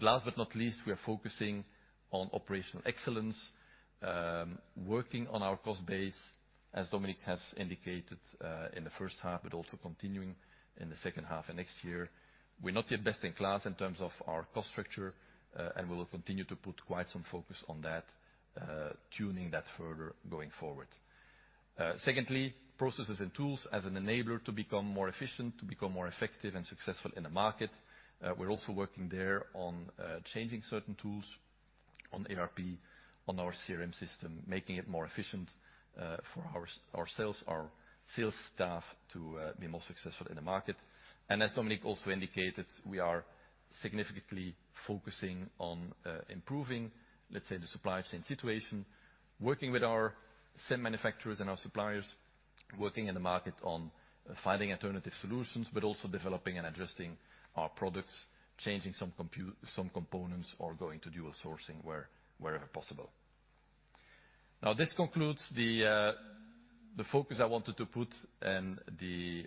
Last but not least, we are focusing on operational excellence, working on our cost base, as Dominik has indicated, in the first half, but also continuing in the second half and next year. We're not yet best in class in terms of our cost structure, and we will continue to put quite some focus on that, tuning that further going forward. Secondly, processes and tools as an enabler to become more efficient, to become more effective and successful in the market. We're also working there on changing certain tools on ERP, on our CRM system, making it more efficient for our sales staff to be more successful in the market. As Dominik also indicated, we are significantly focusing on improving, let's say, the supply chain situation, working with our CEM manufacturers and our suppliers, working in the market on finding alternative solutions, but also developing and adjusting our products, changing some components or going to dual sourcing wherever possible. Now, this concludes the focus I wanted to put and the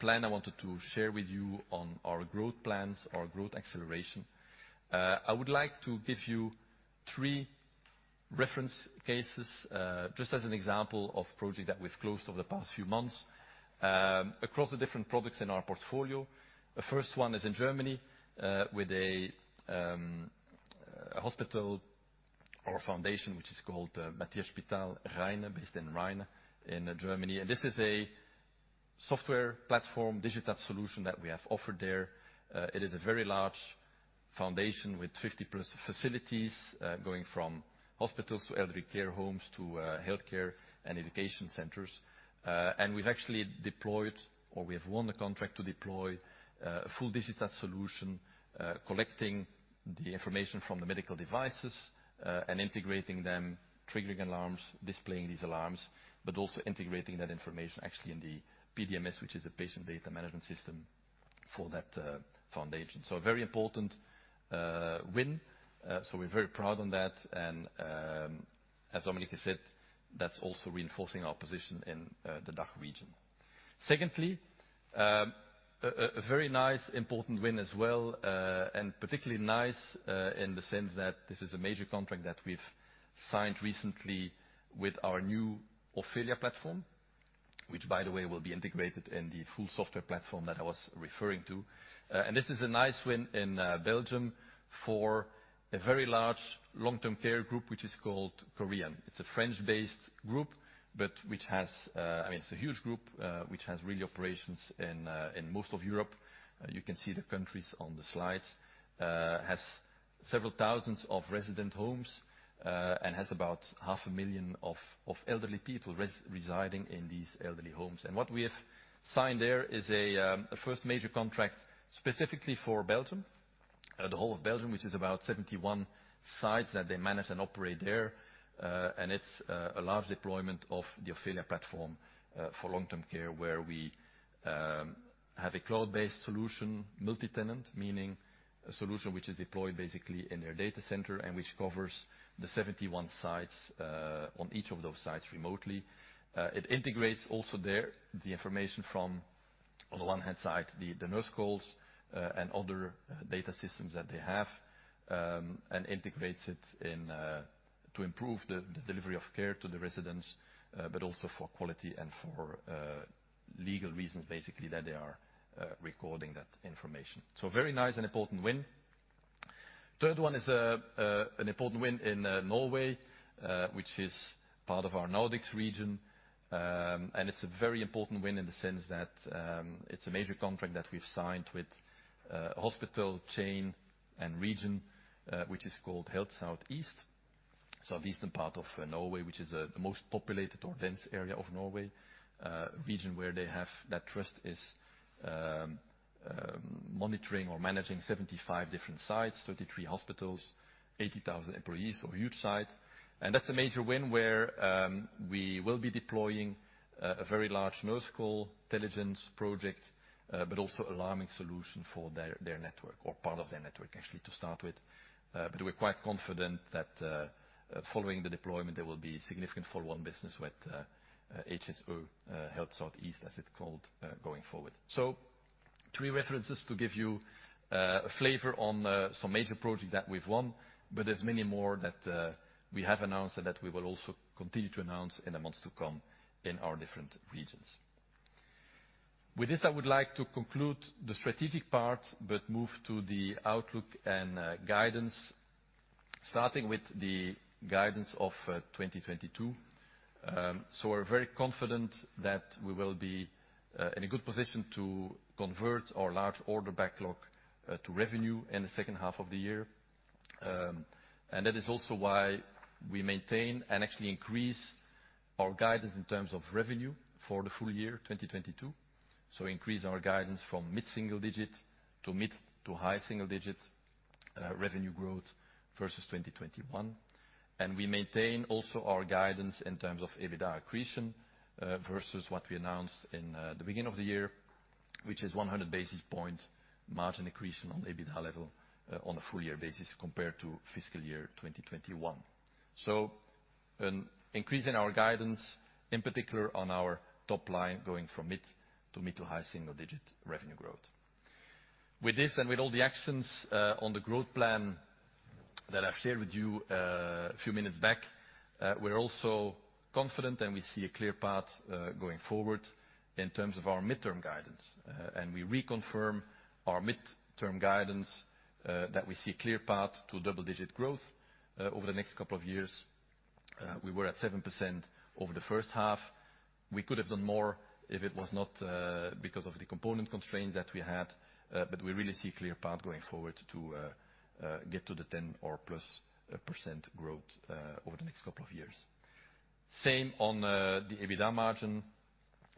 plan I wanted to share with you on our growth plans, our growth acceleration. I would like to give you three reference cases, just as an example of projects that we've closed over the past few months, across the different products in our portfolio. The first one is in Germany, with a hospital or foundation, which is called Stiftung Mathias-Spital Rheine, based in Rheine, in Germany. This is a software platform, digital solution that we have offered there. It is a very large foundation with 50+ facilities, going from hospitals to elderly care homes, to healthcare and education centers. We've actually deployed or we have won the contract to deploy a full digital solution, collecting the information from the medical devices, and integrating them, triggering alarms, displaying these alarms, but also integrating that information actually in the PDMS, which is a patient data management system for that foundation. A very important win. We're very proud on that. As Dominik Maurer has said, that's also reinforcing our position in the DACH region. Secondly, a very nice important win as well, and particularly nice, in the sense that this is a major contract that we've signed recently with our new Ofelia platform, which by the way, will be integrated in the full software platform that I was referring to. This is a nice win in Belgium for a very large long-term care group, which is called Korian. It's a French-based group, but which has, I mean, it's a huge group, which has really operations in most of Europe. You can see the countries on the slides. It has several thousands of resident homes, and has about half a million elderly people residing in these elderly homes. What we have signed there is a first major contract specifically for Belgium, the whole of Belgium, which is about 71 sites that they manage and operate there. And it's a large deployment of the Ofelia platform for long-term care, where we have a cloud-based solution, multi-tenant, meaning a solution which is deployed basically in their data center and which covers the 71 sites on each of those sites remotely. It integrates also there the information from, on the one hand side, the nurse calls and other data systems that they have and integrates it in to improve the delivery of care to the residents, but also for quality and for legal reasons, basically, that they are recording that information. Very nice and important win. Third one is an important win in Norway, which is part of our Nordics region. It's a very important win in the sense that it's a major contract that we've signed with a hospital chain and region, which is called Helse Sør-Øst, southeastern part of Norway, which is the most populated or dense area of Norway. Region where they have that trust is monitoring or managing 75 different sites, 33 hospitals, 80,000 employees, so a huge site. That's a major win where we will be deploying a very large Telligence project, but also alarming solution for their network or part of their network actually to start with. We're quite confident that, following the deployment, there will be significant follow-on business with HSE, Helse Sør-Øst, as it's called, going forward. Three references to give you a flavor on some major projects that we've won, but there's many more that we have announced and that we will also continue to announce in the months to come in our different regions. With this, I would like to conclude the strategic part, but move to the outlook and guidance, starting with the guidance of 2022. We're very confident that we will be in a good position to convert our large order backlog to revenue in the second half of the year. That is also why we maintain and actually increase our guidance in terms of revenue for the full year 2022. Increase our guidance from mid-single-digit to mid- to high-single-digit revenue growth versus 2021. We maintain also our guidance in terms of EBITDA accretion versus what we announced in the beginning of the year, which is 100 basis points margin accretion on EBITDA level on a full year basis compared to fiscal year 2021. An increase in our guidance, in particular on our top line going from mid- to mid- to high-single-digit revenue growth. With this and with all the actions on the growth plan that I've shared with you a few minutes back, we're also confident and we see a clear path going forward in terms of our midterm guidance. We reconfirm our midterm guidance that we see a clear path to double-digit growth over the next couple of years. We were at 7% over the first half. We could have done more if it was not because of the component constraints that we had, but we really see a clear path going forward to get to the 10 or plus percent growth over the next couple of years. Same on the EBITDA margin,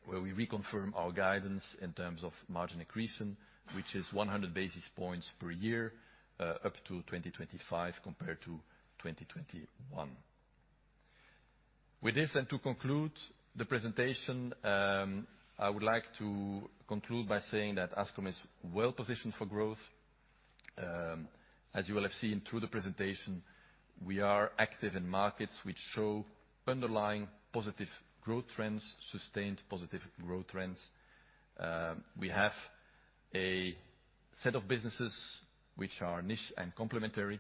where we reconfirm our guidance in terms of margin accretion, which is 100 basis points per year, up to 2025 compared to 2021. With this, and to conclude the presentation, I would like to conclude by saying that Ascom is well positioned for growth. As you will have seen through the presentation, we are active in markets which show underlying positive growth trends, sustained positive growth trends. We have a set of businesses which are niche and complementary,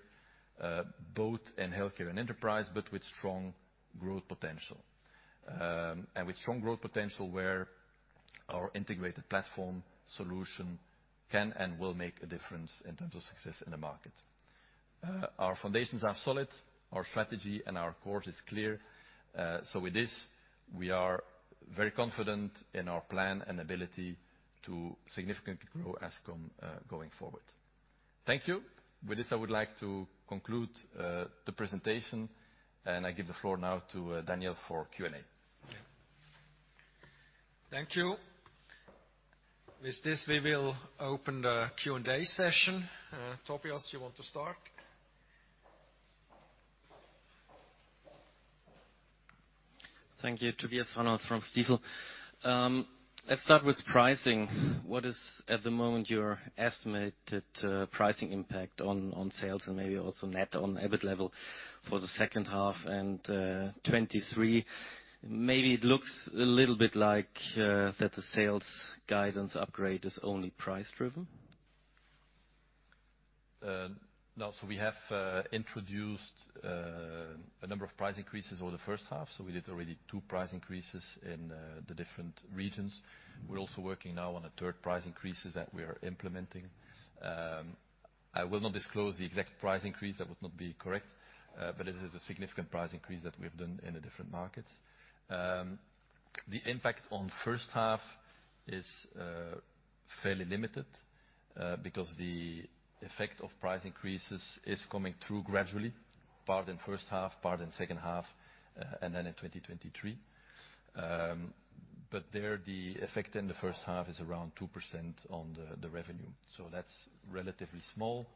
both in healthcare and enterprise, but with strong growth potential, where our integrated platform solution can and will make a difference in terms of success in the market. Our foundations are solid, our strategy and our course is clear. With this, we are very confident in our plan and ability to significantly grow Ascom, going forward. Thank you. With this, I would like to conclude the presentation, and I give the floor now to Daniel for Q&A. Yeah. Thank you. With this, we will open the Q&A session. Tobias, you want to start? Thank you. Tobias Fahrenholz from Stifel. Let's start with pricing. What is, at the moment, your estimated pricing impact on sales and maybe also net on EBIT level for the second half and 2023? Maybe it looks a little bit like that the sales guidance upgrade is only price driven. No. We have introduced a number of price increases over the first half. We did already two price increases in the different regions. We're also working now on a third price increases that we are implementing. I will not disclose the exact price increase. That would not be correct, but it is a significant price increase that we have done in the different markets. The impact on first half is fairly limited, because the effect of price increases is coming through gradually, part in first half, part in second half, and then in 2023. But there, the effect in the first half is around 2% on the revenue, so that's relatively small.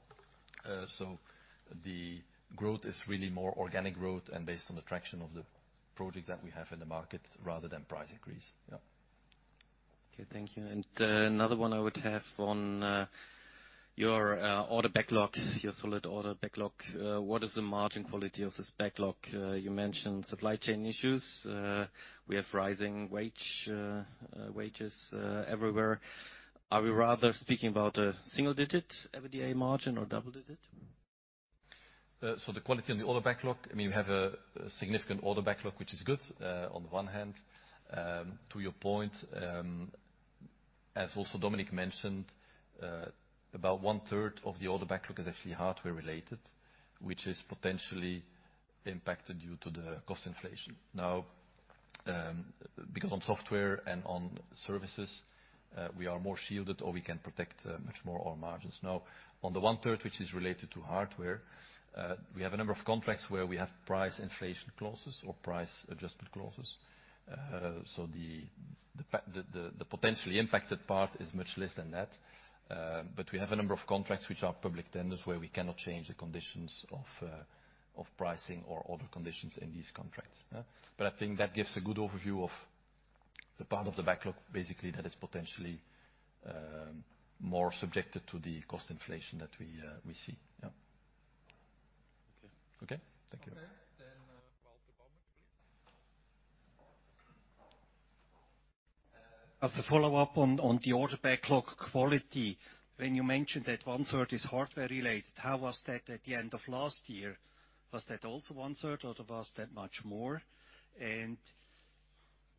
The growth is really more organic growth and based on the traction of the projects that we have in the market rather than price increase. Okay, thank you. Another one I would have on your order backlog, your solid order backlog. What is the margin quality of this backlog? You mentioned supply chain issues. We have rising wages everywhere. Are we rather speaking about a single-digit EBITDA margin or double-digit? The quality on the order backlog, I mean, we have a significant order backlog, which is good on the one hand. To your point, as also Dominik mentioned, about one-third of the order backlog is actually hardware related, which is potentially impacted due to the cost inflation. Now, because on software and on services, we are more shielded or we can protect much more our margins. Now on the one-third which is related to hardware, we have a number of contracts where we have price inflation clauses or price adjustment clauses. So the potentially impacted part is much less than that. But we have a number of contracts which are public tenders, where we cannot change the conditions of pricing or order conditions in these contracts. I think that gives a good overview of the part of the backlog, basically, that is potentially more subjected to the cost inflation that we see. Yeah. Okay. Okay? Thank you. Okay. Walter Baumann, please. As a follow-up on the order backlog quality, when you mentioned that 1/3 is hardware related, how was that at the end of last year? Was that also 1/3, or was that much more?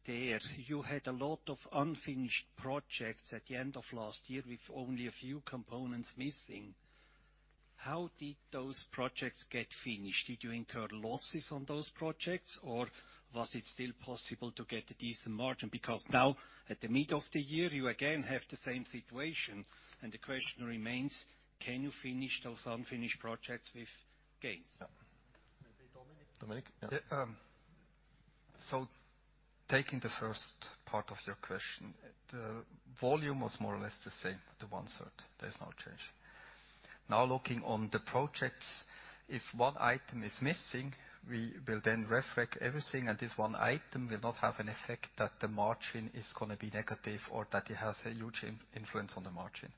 There, you had a lot of unfinished projects at the end of last year with only a few components missing. How did those projects get finished? Did you incur losses on those projects, or was it still possible to get a decent margin? Because now, at the mid of the year, you again have the same situation. The question remains: Can you finish those unfinished projects with gains? Yeah. Maybe Dominik. Dominik? Yeah. Taking the first part of your question, the volume was more or less the same, the one-third. There is no change. Now looking on the projects, if one item is missing, we will then retrofit everything, and this one item will not have an effect that the margin is gonna be negative or that it has a huge influence on the margin.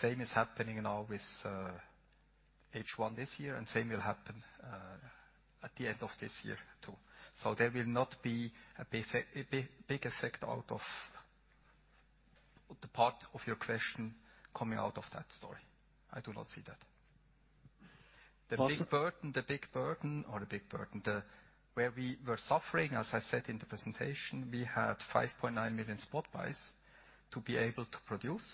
Same is happening now with H1 this year, and same will happen at the end of this year, too. There will not be a big effect out of the part of your question coming out of that story. I do not see that. Also- Where we were suffering, as I said in the presentation, we had 5.9 million spot buys to be able to produce.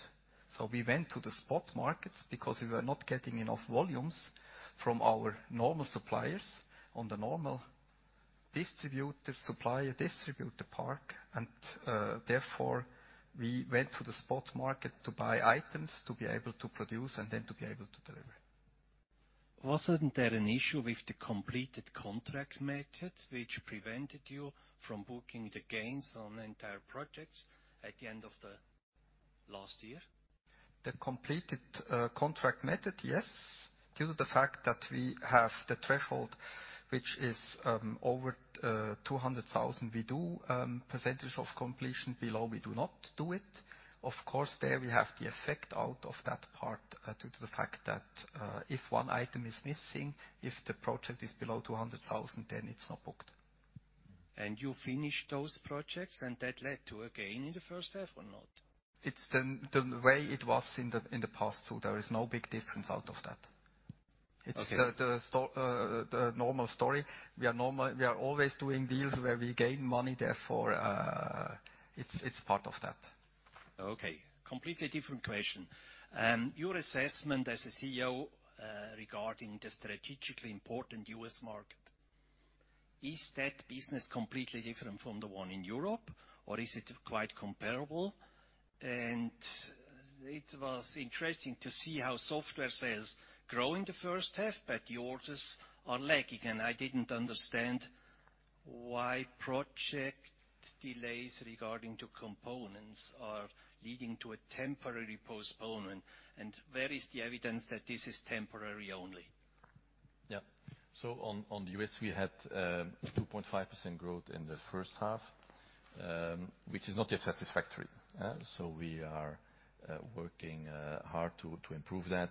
We went to the spot markets because we were not getting enough volumes from our normal suppliers on the normal distributor, supplier-distributor partners. Therefore, we went to the spot market to buy items to be able to produce and then to be able to deliver. Wasn't there an issue with the completed contract method which prevented you from booking the gains on entire projects at the end of the last year? The completed contract method, yes, due to the fact that we have the threshold, which is over 200,000, we do percentage of completion. Below, we do not do it. Of course, there we have the effect out of that part due to the fact that if one item is missing, if the project is below 200,000, then it's not booked. You finished those projects, and that led to a gain in the first half or not? It's the way it was in the past, so there is no big difference out of that. Okay. It's the normal story. We are always doing deals where we gain money, therefore, it's part of that. Okay. Completely different question. Your assessment as a CEO regarding the strategically important U.S. market. Is that business completely different from the one in Europe, or is it quite comparable? It was interesting to see how software sales grow in the first half, but the orders are lagging. I didn't understand why project delays regarding to components are leading to a temporary postponement, and where is the evidence that this is temporary only? On U.S., we had 2.5% growth in the first half, which is not yet satisfactory. We are working hard to improve that.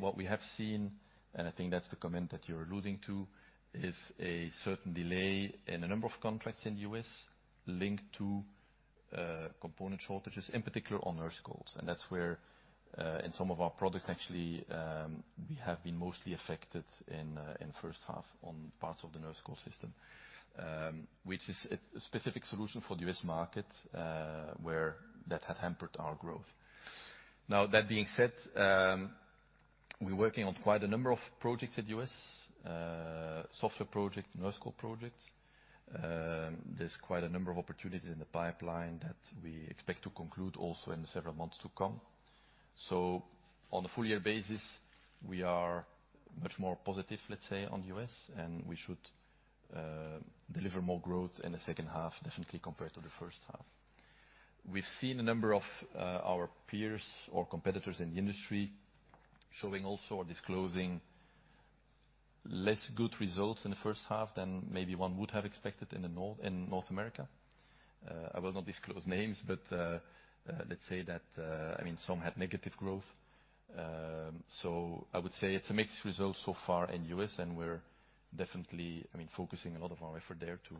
What we have seen, and I think that's the comment that you're alluding to, is a certain delay in a number of contracts in the U.S. linked to component shortages, in particular on Nurse Call. That's where, in some of our products, actually, we have been mostly affected in first half on parts of the Nurse Call system, which is a specific solution for the U.S. market, where that had hampered our growth. That being said, we're working on quite a number of projects at U.S., software project, Nurse Call projects. There's quite a number of opportunities in the pipeline that we expect to conclude also in the several months to come. On a full year basis, we are much more positive, let's say, on U.S., and we should deliver more growth in the second half, definitely compared to the first half. We've seen a number of our peers or competitors in the industry showing also or disclosing less good results in the first half than maybe one would have expected in North America. I will not disclose names, but let's say that, I mean, some had negative growth. I would say it's a mixed result so far in U.S., and we're definitely, I mean, focusing a lot of our effort there to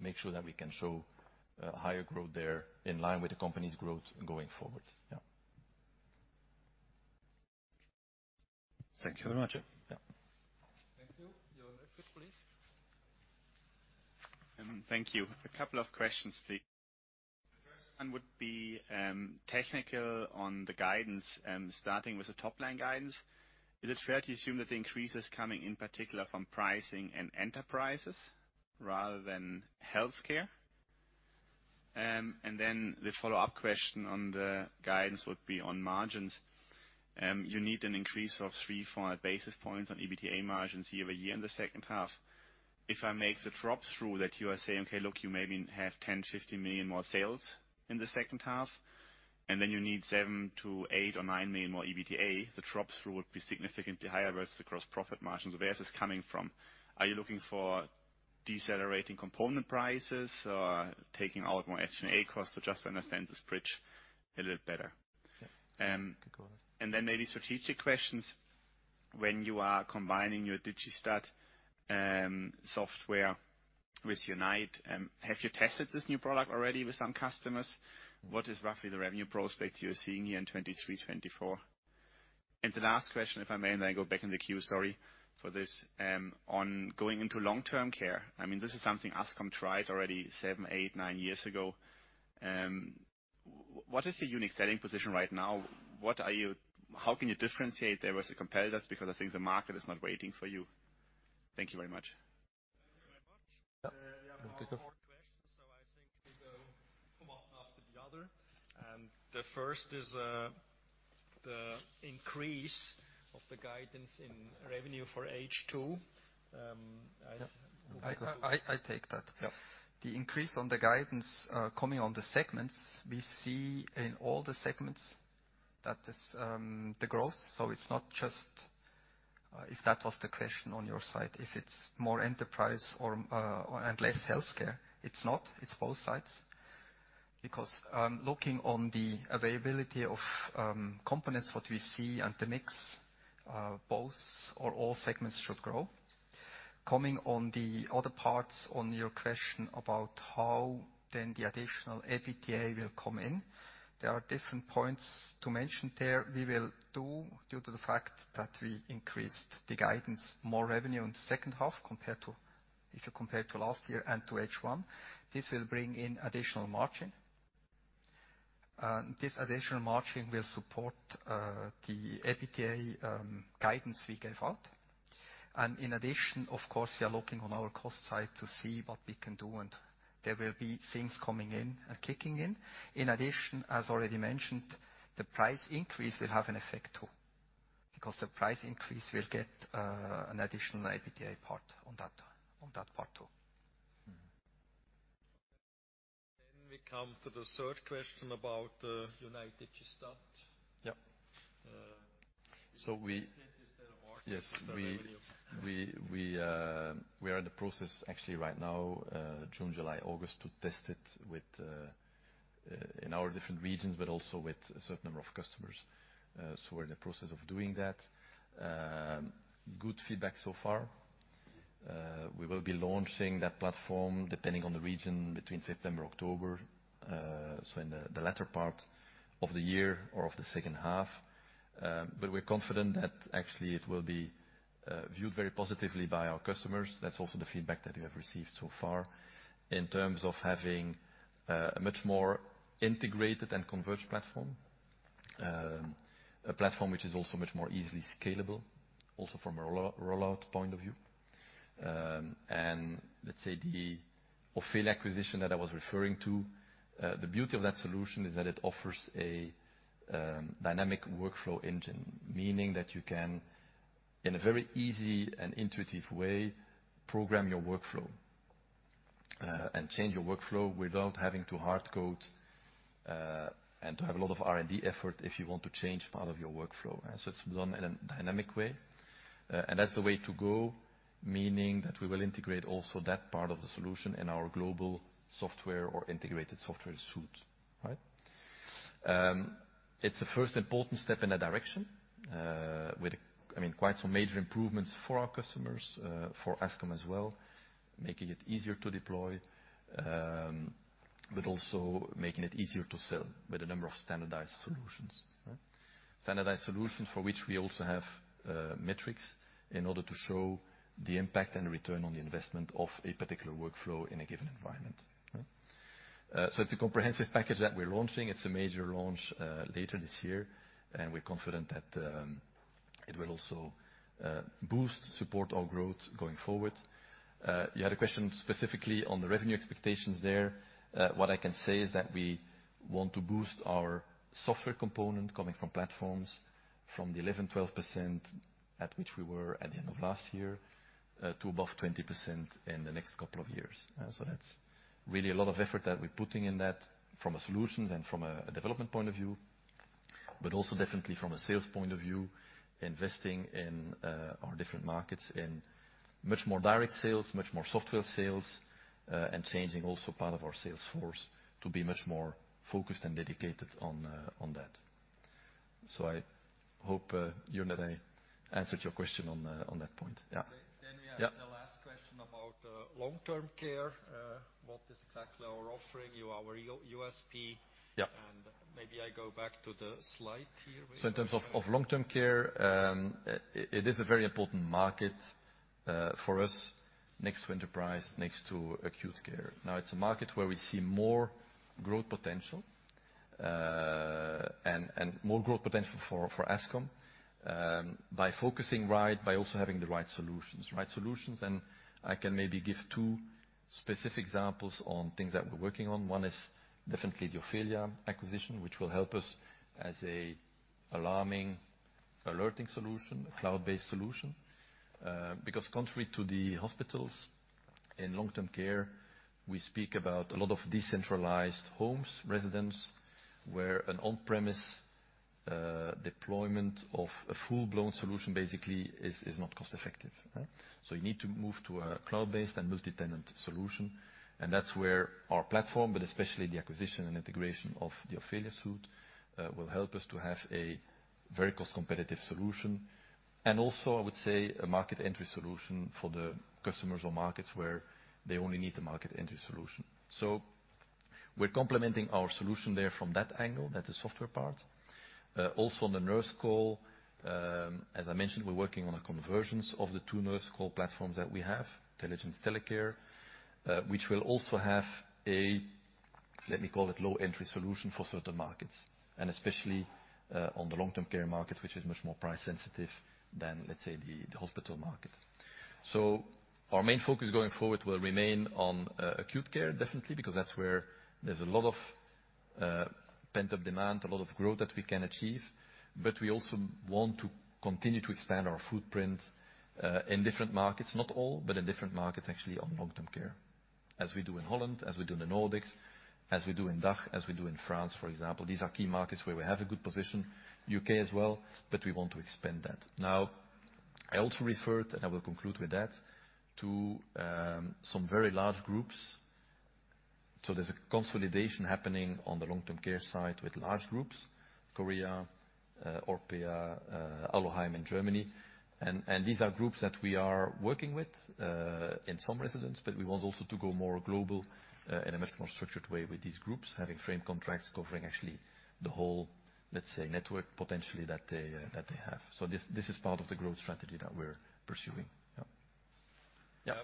make sure that we can show higher growth there in line with the company's growth going forward. Yeah. Thank you very much. Yeah. Thank you. You're next, please. Thank you. A couple of questions, please. The first one would be, technical on the guidance and starting with the top-line guidance. Is it fair to assume that the increase is coming in particular from pricing and enterprises rather than healthcare? The follow-up question on the guidance would be on margins. You need an increase of 3-4 basis points on EBITDA margins year-over-year in the second half. If I make the drop through that you are saying, okay, look, you maybe have 10-50 million more sales in the second half, and then you need 7 to 8 or 9 million more EBITDA, the drop through would be significantly higher versus the gross profit margins. Where is this coming from? Are you looking for decelerating component prices or taking out more G&A costs? Just to understand this bridge a little better. Yeah. Maybe strategic questions. When you are combining your Digistat software with Unite, have you tested this new product already with some customers? What is roughly the revenue prospects you're seeing here in 2023, 2024? The last question, if I may, and then go back in the queue, sorry for this. On going into long-term care, I mean, this is something Ascom tried already 7, 8, 9 years ago. What is your unique selling position right now? How can you differentiate there with the competitors? Because I think the market is not waiting for you. Thank you very much. Thank you very much. Yeah. There are four questions, so I think we go one after the other. The first is the increase of the guidance in revenue for H2. I take that. Yeah. The increase on the guidance, coming on the segments, we see in all the segments that is the growth. It's not just, if that was the question on your side, if it's more enterprise or and less healthcare. It's not. It's both sides. Looking on the availability of components, what we see and the mix, both or all segments should grow. Coming on the other parts on your question about how then the additional EBITDA will come in, there are different points to mention there. We will do due to the fact that we increased the guidance more revenue in the second half compared to, if you compare to last year and to H1, this will bring in additional margin. This additional margin will support the EBITDA guidance we gave out. In addition, of course, we are looking on our cost side to see what we can do, and there will be things coming in, kicking in. In addition, as already mentioned, the price increase will have an effect too, because the price increase will get, an additional EBITDA part on that, on that part too. We come to the third question about Unite Digistat. Yeah. Is there a market for that value? Yes, we are in the process actually right now, June, July, August, to test it with in our different regions, but also with a certain number of customers, so we're in the process of doing that. Good feedback so far. We will be launching that platform depending on the region between September, October, so in the latter part of the year or of the second half. But we're confident that actually it will be viewed very positively by our customers. That's also the feedback that we have received so far in terms of having a much more integrated and converged platform. A platform which is also much more easily scalable, also from a rollout point of view. Let's say the Ofelia acquisition that I was referring to, the beauty of that solution is that it offers a dynamic workflow engine, meaning that you can, in a very easy and intuitive way, program your workflow, and change your workflow without having to hard code, and to have a lot of R&D effort if you want to change part of your workflow. It's done in a dynamic way, and that's the way to go, meaning that we will integrate also that part of the solution in our global software or integrated software suite, right? It's the first important step in that direction, with, I mean, quite some major improvements for our customers, for Ascom as well, making it easier to deploy, but also making it easier to sell with a number of standardized solutions, right? Standardized solutions for which we also have metrics in order to show the impact and return on the investment of a particular workflow in a given environment, right? It's a comprehensive package that we're launching. It's a major launch later this year, and we're confident that it will also boost support our growth going forward. You had a question specifically on the revenue expectations there. What I can say is that we want to boost our software component coming from platforms from the 11-12% at which we were at the end of last year to above 20% in the next couple of years. That's really a lot of effort that we're putting in that from a solutions and from a development point of view, but also definitely from a sales point of view, investing in our different markets in much more direct sales, much more software sales, and changing also part of our sales force to be much more focused and dedicated on that. I hope, Joern, that I answered your question on that point. Yeah. We have the last question about long-term care. What exactly are you offering as your USP? Yeah. Maybe I go back to the slide here. In terms of long-term care, it is a very important market for us next to enterprise, next to acute care. Now, it is a market where we see more growth potential, and more growth potential for Ascom, by focusing right, by also having the right solutions. Right solutions, and I can maybe give two specific examples on things that we're working on. One is definitely the Ofelia acquisition, which will help us as an alarming, alerting solution, a cloud-based solution. Because contrary to the hospitals, in long-term care, we speak about a lot of decentralized homes, residents, where an on-premise deployment of a full-blown solution basically is not cost effective, right? You need to move to a cloud-based and multi-tenant solution, and that's where our platform, but especially the acquisition and integration of the Ofelia suite, will help us to have a very cost competitive solution. I would say a market entry solution for the customers or markets where they only need the market entry solution. We're complementing our solution there from that angle. That's the software part. Also on the Nurse Call, as I mentioned, we're working on a convergence of the two Nurse Call platforms that we have, Telligence teleCARE, which will also have a, let me call it low entry solution for certain markets, and especially, on the long-term care market, which is much more price sensitive than, let's say, the hospital market. Our main focus going forward will remain on acute care, definitely, because that's where there's a lot of pent-up demand, a lot of growth that we can achieve. We also want to continue to expand our footprint in different markets. Not all, but in different markets, actually, on long-term care, as we do in Holland, as we do in the Nordics, as we do in DACH, as we do in France, for example. These are key markets where we have a good position, U.K. as well, but we want to expand that. Now, I also referred, and I will conclude with that, to some very large groups. There's a consolidation happening on the long-term care side with large groups, Korian, Orpea, Alloheim in Germany. These are groups that we are working with in some residences, but we want also to go more global in a much more structured way with these groups, having frame contracts covering actually the whole, let's say, network potentially that they have. This is part of the growth strategy that we're pursuing. Yeah.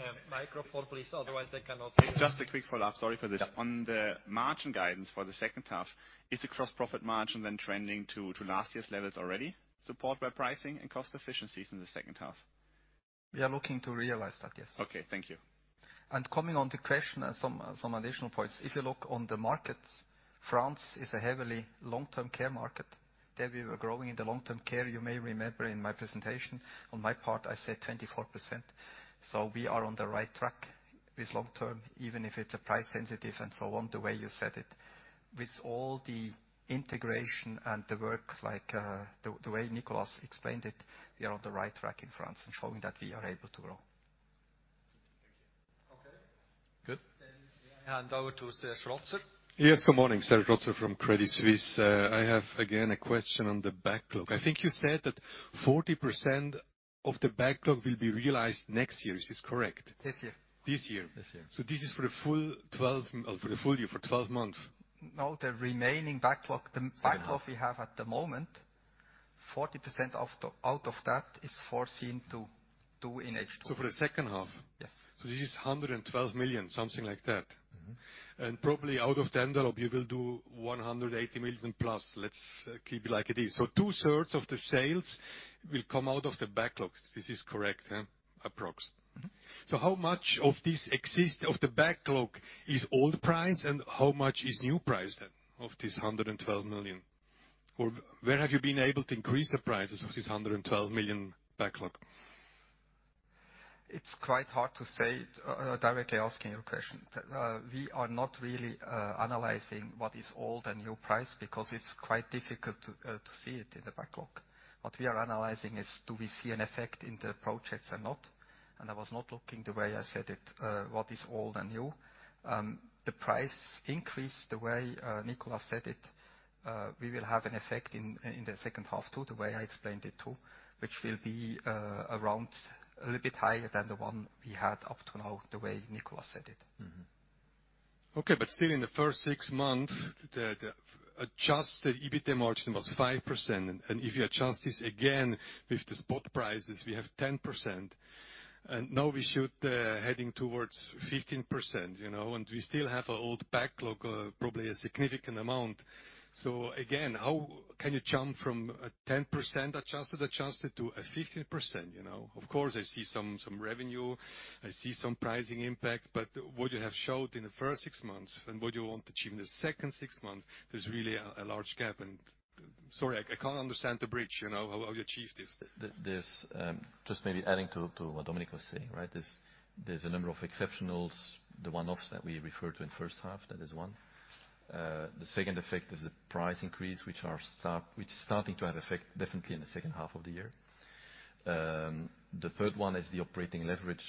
Yeah. Yeah. Just a quick follow-up, please. Microphone, please. Otherwise they cannot hear us. Just a quick follow-up. Sorry for this. Yeah. On the margin guidance for the second half, is the gross profit margin then trending to last year's levels already, supported by pricing and cost efficiencies in the second half? We are looking to realize that, yes. Okay, thank you. Coming on to question, some additional points. If you look on the markets, France is a heavily long-term care market. There we were growing in the long-term care, you may remember in my presentation. On my part, I said 24%. We are on the right track with long-term, even if it's a price sensitive and so on, the way you said it. With all the integration and the work like, the way Nicolas explained it, we are on the right track in France and showing that we are able to grow. Good. I hand over to Serge Rotzer. Yes. Good morning, Serge Rotzer from Credit Suisse. I have again a question on the backlog. I think you said that 40% of the backlog will be realized next year. Is this correct? This year. This year? This year. This is for the full year, for 12 months. No, the remaining backlog. Second half. Backlog we have at the moment, 40% out of that is foreseen to enhance. For the second half? Yes. This is 112 million, something like that. Mm-hmm. Probably out of the envelope, you will do 180 million+. Let's keep it like it is. Two-thirds of the sales will come out of the backlog. This is correct, huh? Approx. Mm-hmm. How much of the backlog is old price, and how much is new price then of this 112 million? Or where have you been able to increase the prices of this 112 million backlog? It's quite hard to say, directly asking your question. We are not really analyzing what is old and new price because it's quite difficult to see it in the backlog. What we are analyzing is do we see an effect in the projects or not? I was not looking the way I said it, what is old and new. The price increase, the way Nicolas said it, we will have an effect in the second half, too, the way I explained it, too, which will be around a little bit higher than the one we had up to now, the way Nicolas said it. Still in the first six months, the adjusted EBITDA margin was 5%. If you adjust this again with the spot prices, we have 10%. Now we should heading towards 15%, you know, and we still have an old backlog, probably a significant amount. Again, how can you jump from a 10% adjusted to a 15%, you know? Of course, I see some revenue, I see some pricing impact. What you have showed in the first six months and what you want to achieve in the second six months, there's really a large gap. Sorry, I can't understand the bridge, you know, how you achieve this. Just maybe adding to what Dominik was saying, right? There's a number of exceptionals, the one-offs that we referred to in first half, that is one. The second effect is the price increase, which is starting to have effect definitely in the second half of the year. The third one is the operating leverage,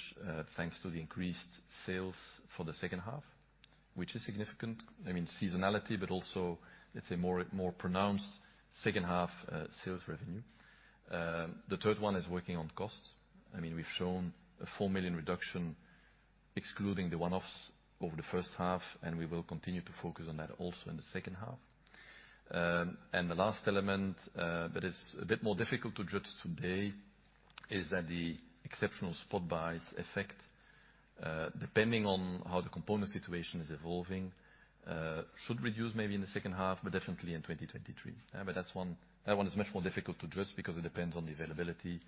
thanks to the increased sales for the second half, which is significant. I mean, seasonality, but also it's a more pronounced second half, sales revenue. The third one is working on costs. I mean, we've shown a 4 million reduction, excluding the one-offs over the first half, and we will continue to focus on that also in the second half. The last element that is a bit more difficult to judge today is that the exceptional spot buys effect, depending on how the component situation is evolving, should reduce maybe in the second half, but definitely in 2023. That one is much more difficult to judge because it depends on the availability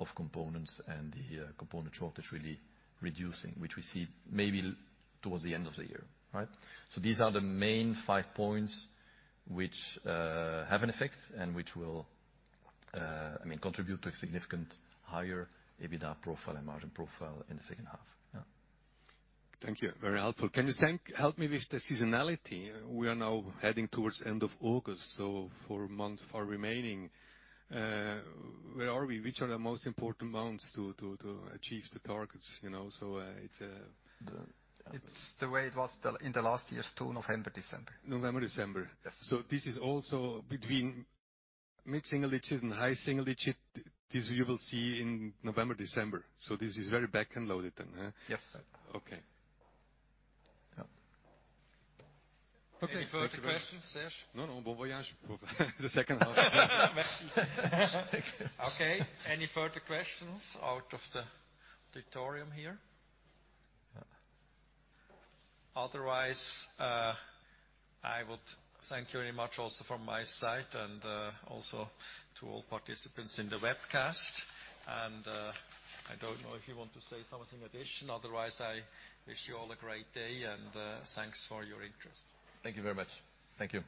of components and the component shortage really reducing, which we see maybe towards the end of the year. Right. These are the main five points which have an effect and which will, I mean, contribute to a significant higher EBITDA profile and margin profile in the second half. Thank you. Very helpful. Can you help me with the seasonality. We are now heading towards end of August, so four months are remaining. Where are we? Which are the most important months to achieve the targets, you know? It's It's the way it was in the last years too, November, December. November, December. Yes. This is also between mid-single-digit and high single-digit, this you will see in November, December. This is very back-end loaded then, huh? Yes. Okay. Yeah. Any further questions, Serge? No, no. Bon voyage for the second half. Merci. Okay, any further questions out of the auditorium here? Otherwise, I would thank you very much also from my side and, also to all participants in the webcast. I don't know if you want to say something additional. Otherwise, I wish you all a great day, and, thanks for your interest. Thank you very much. Thank you.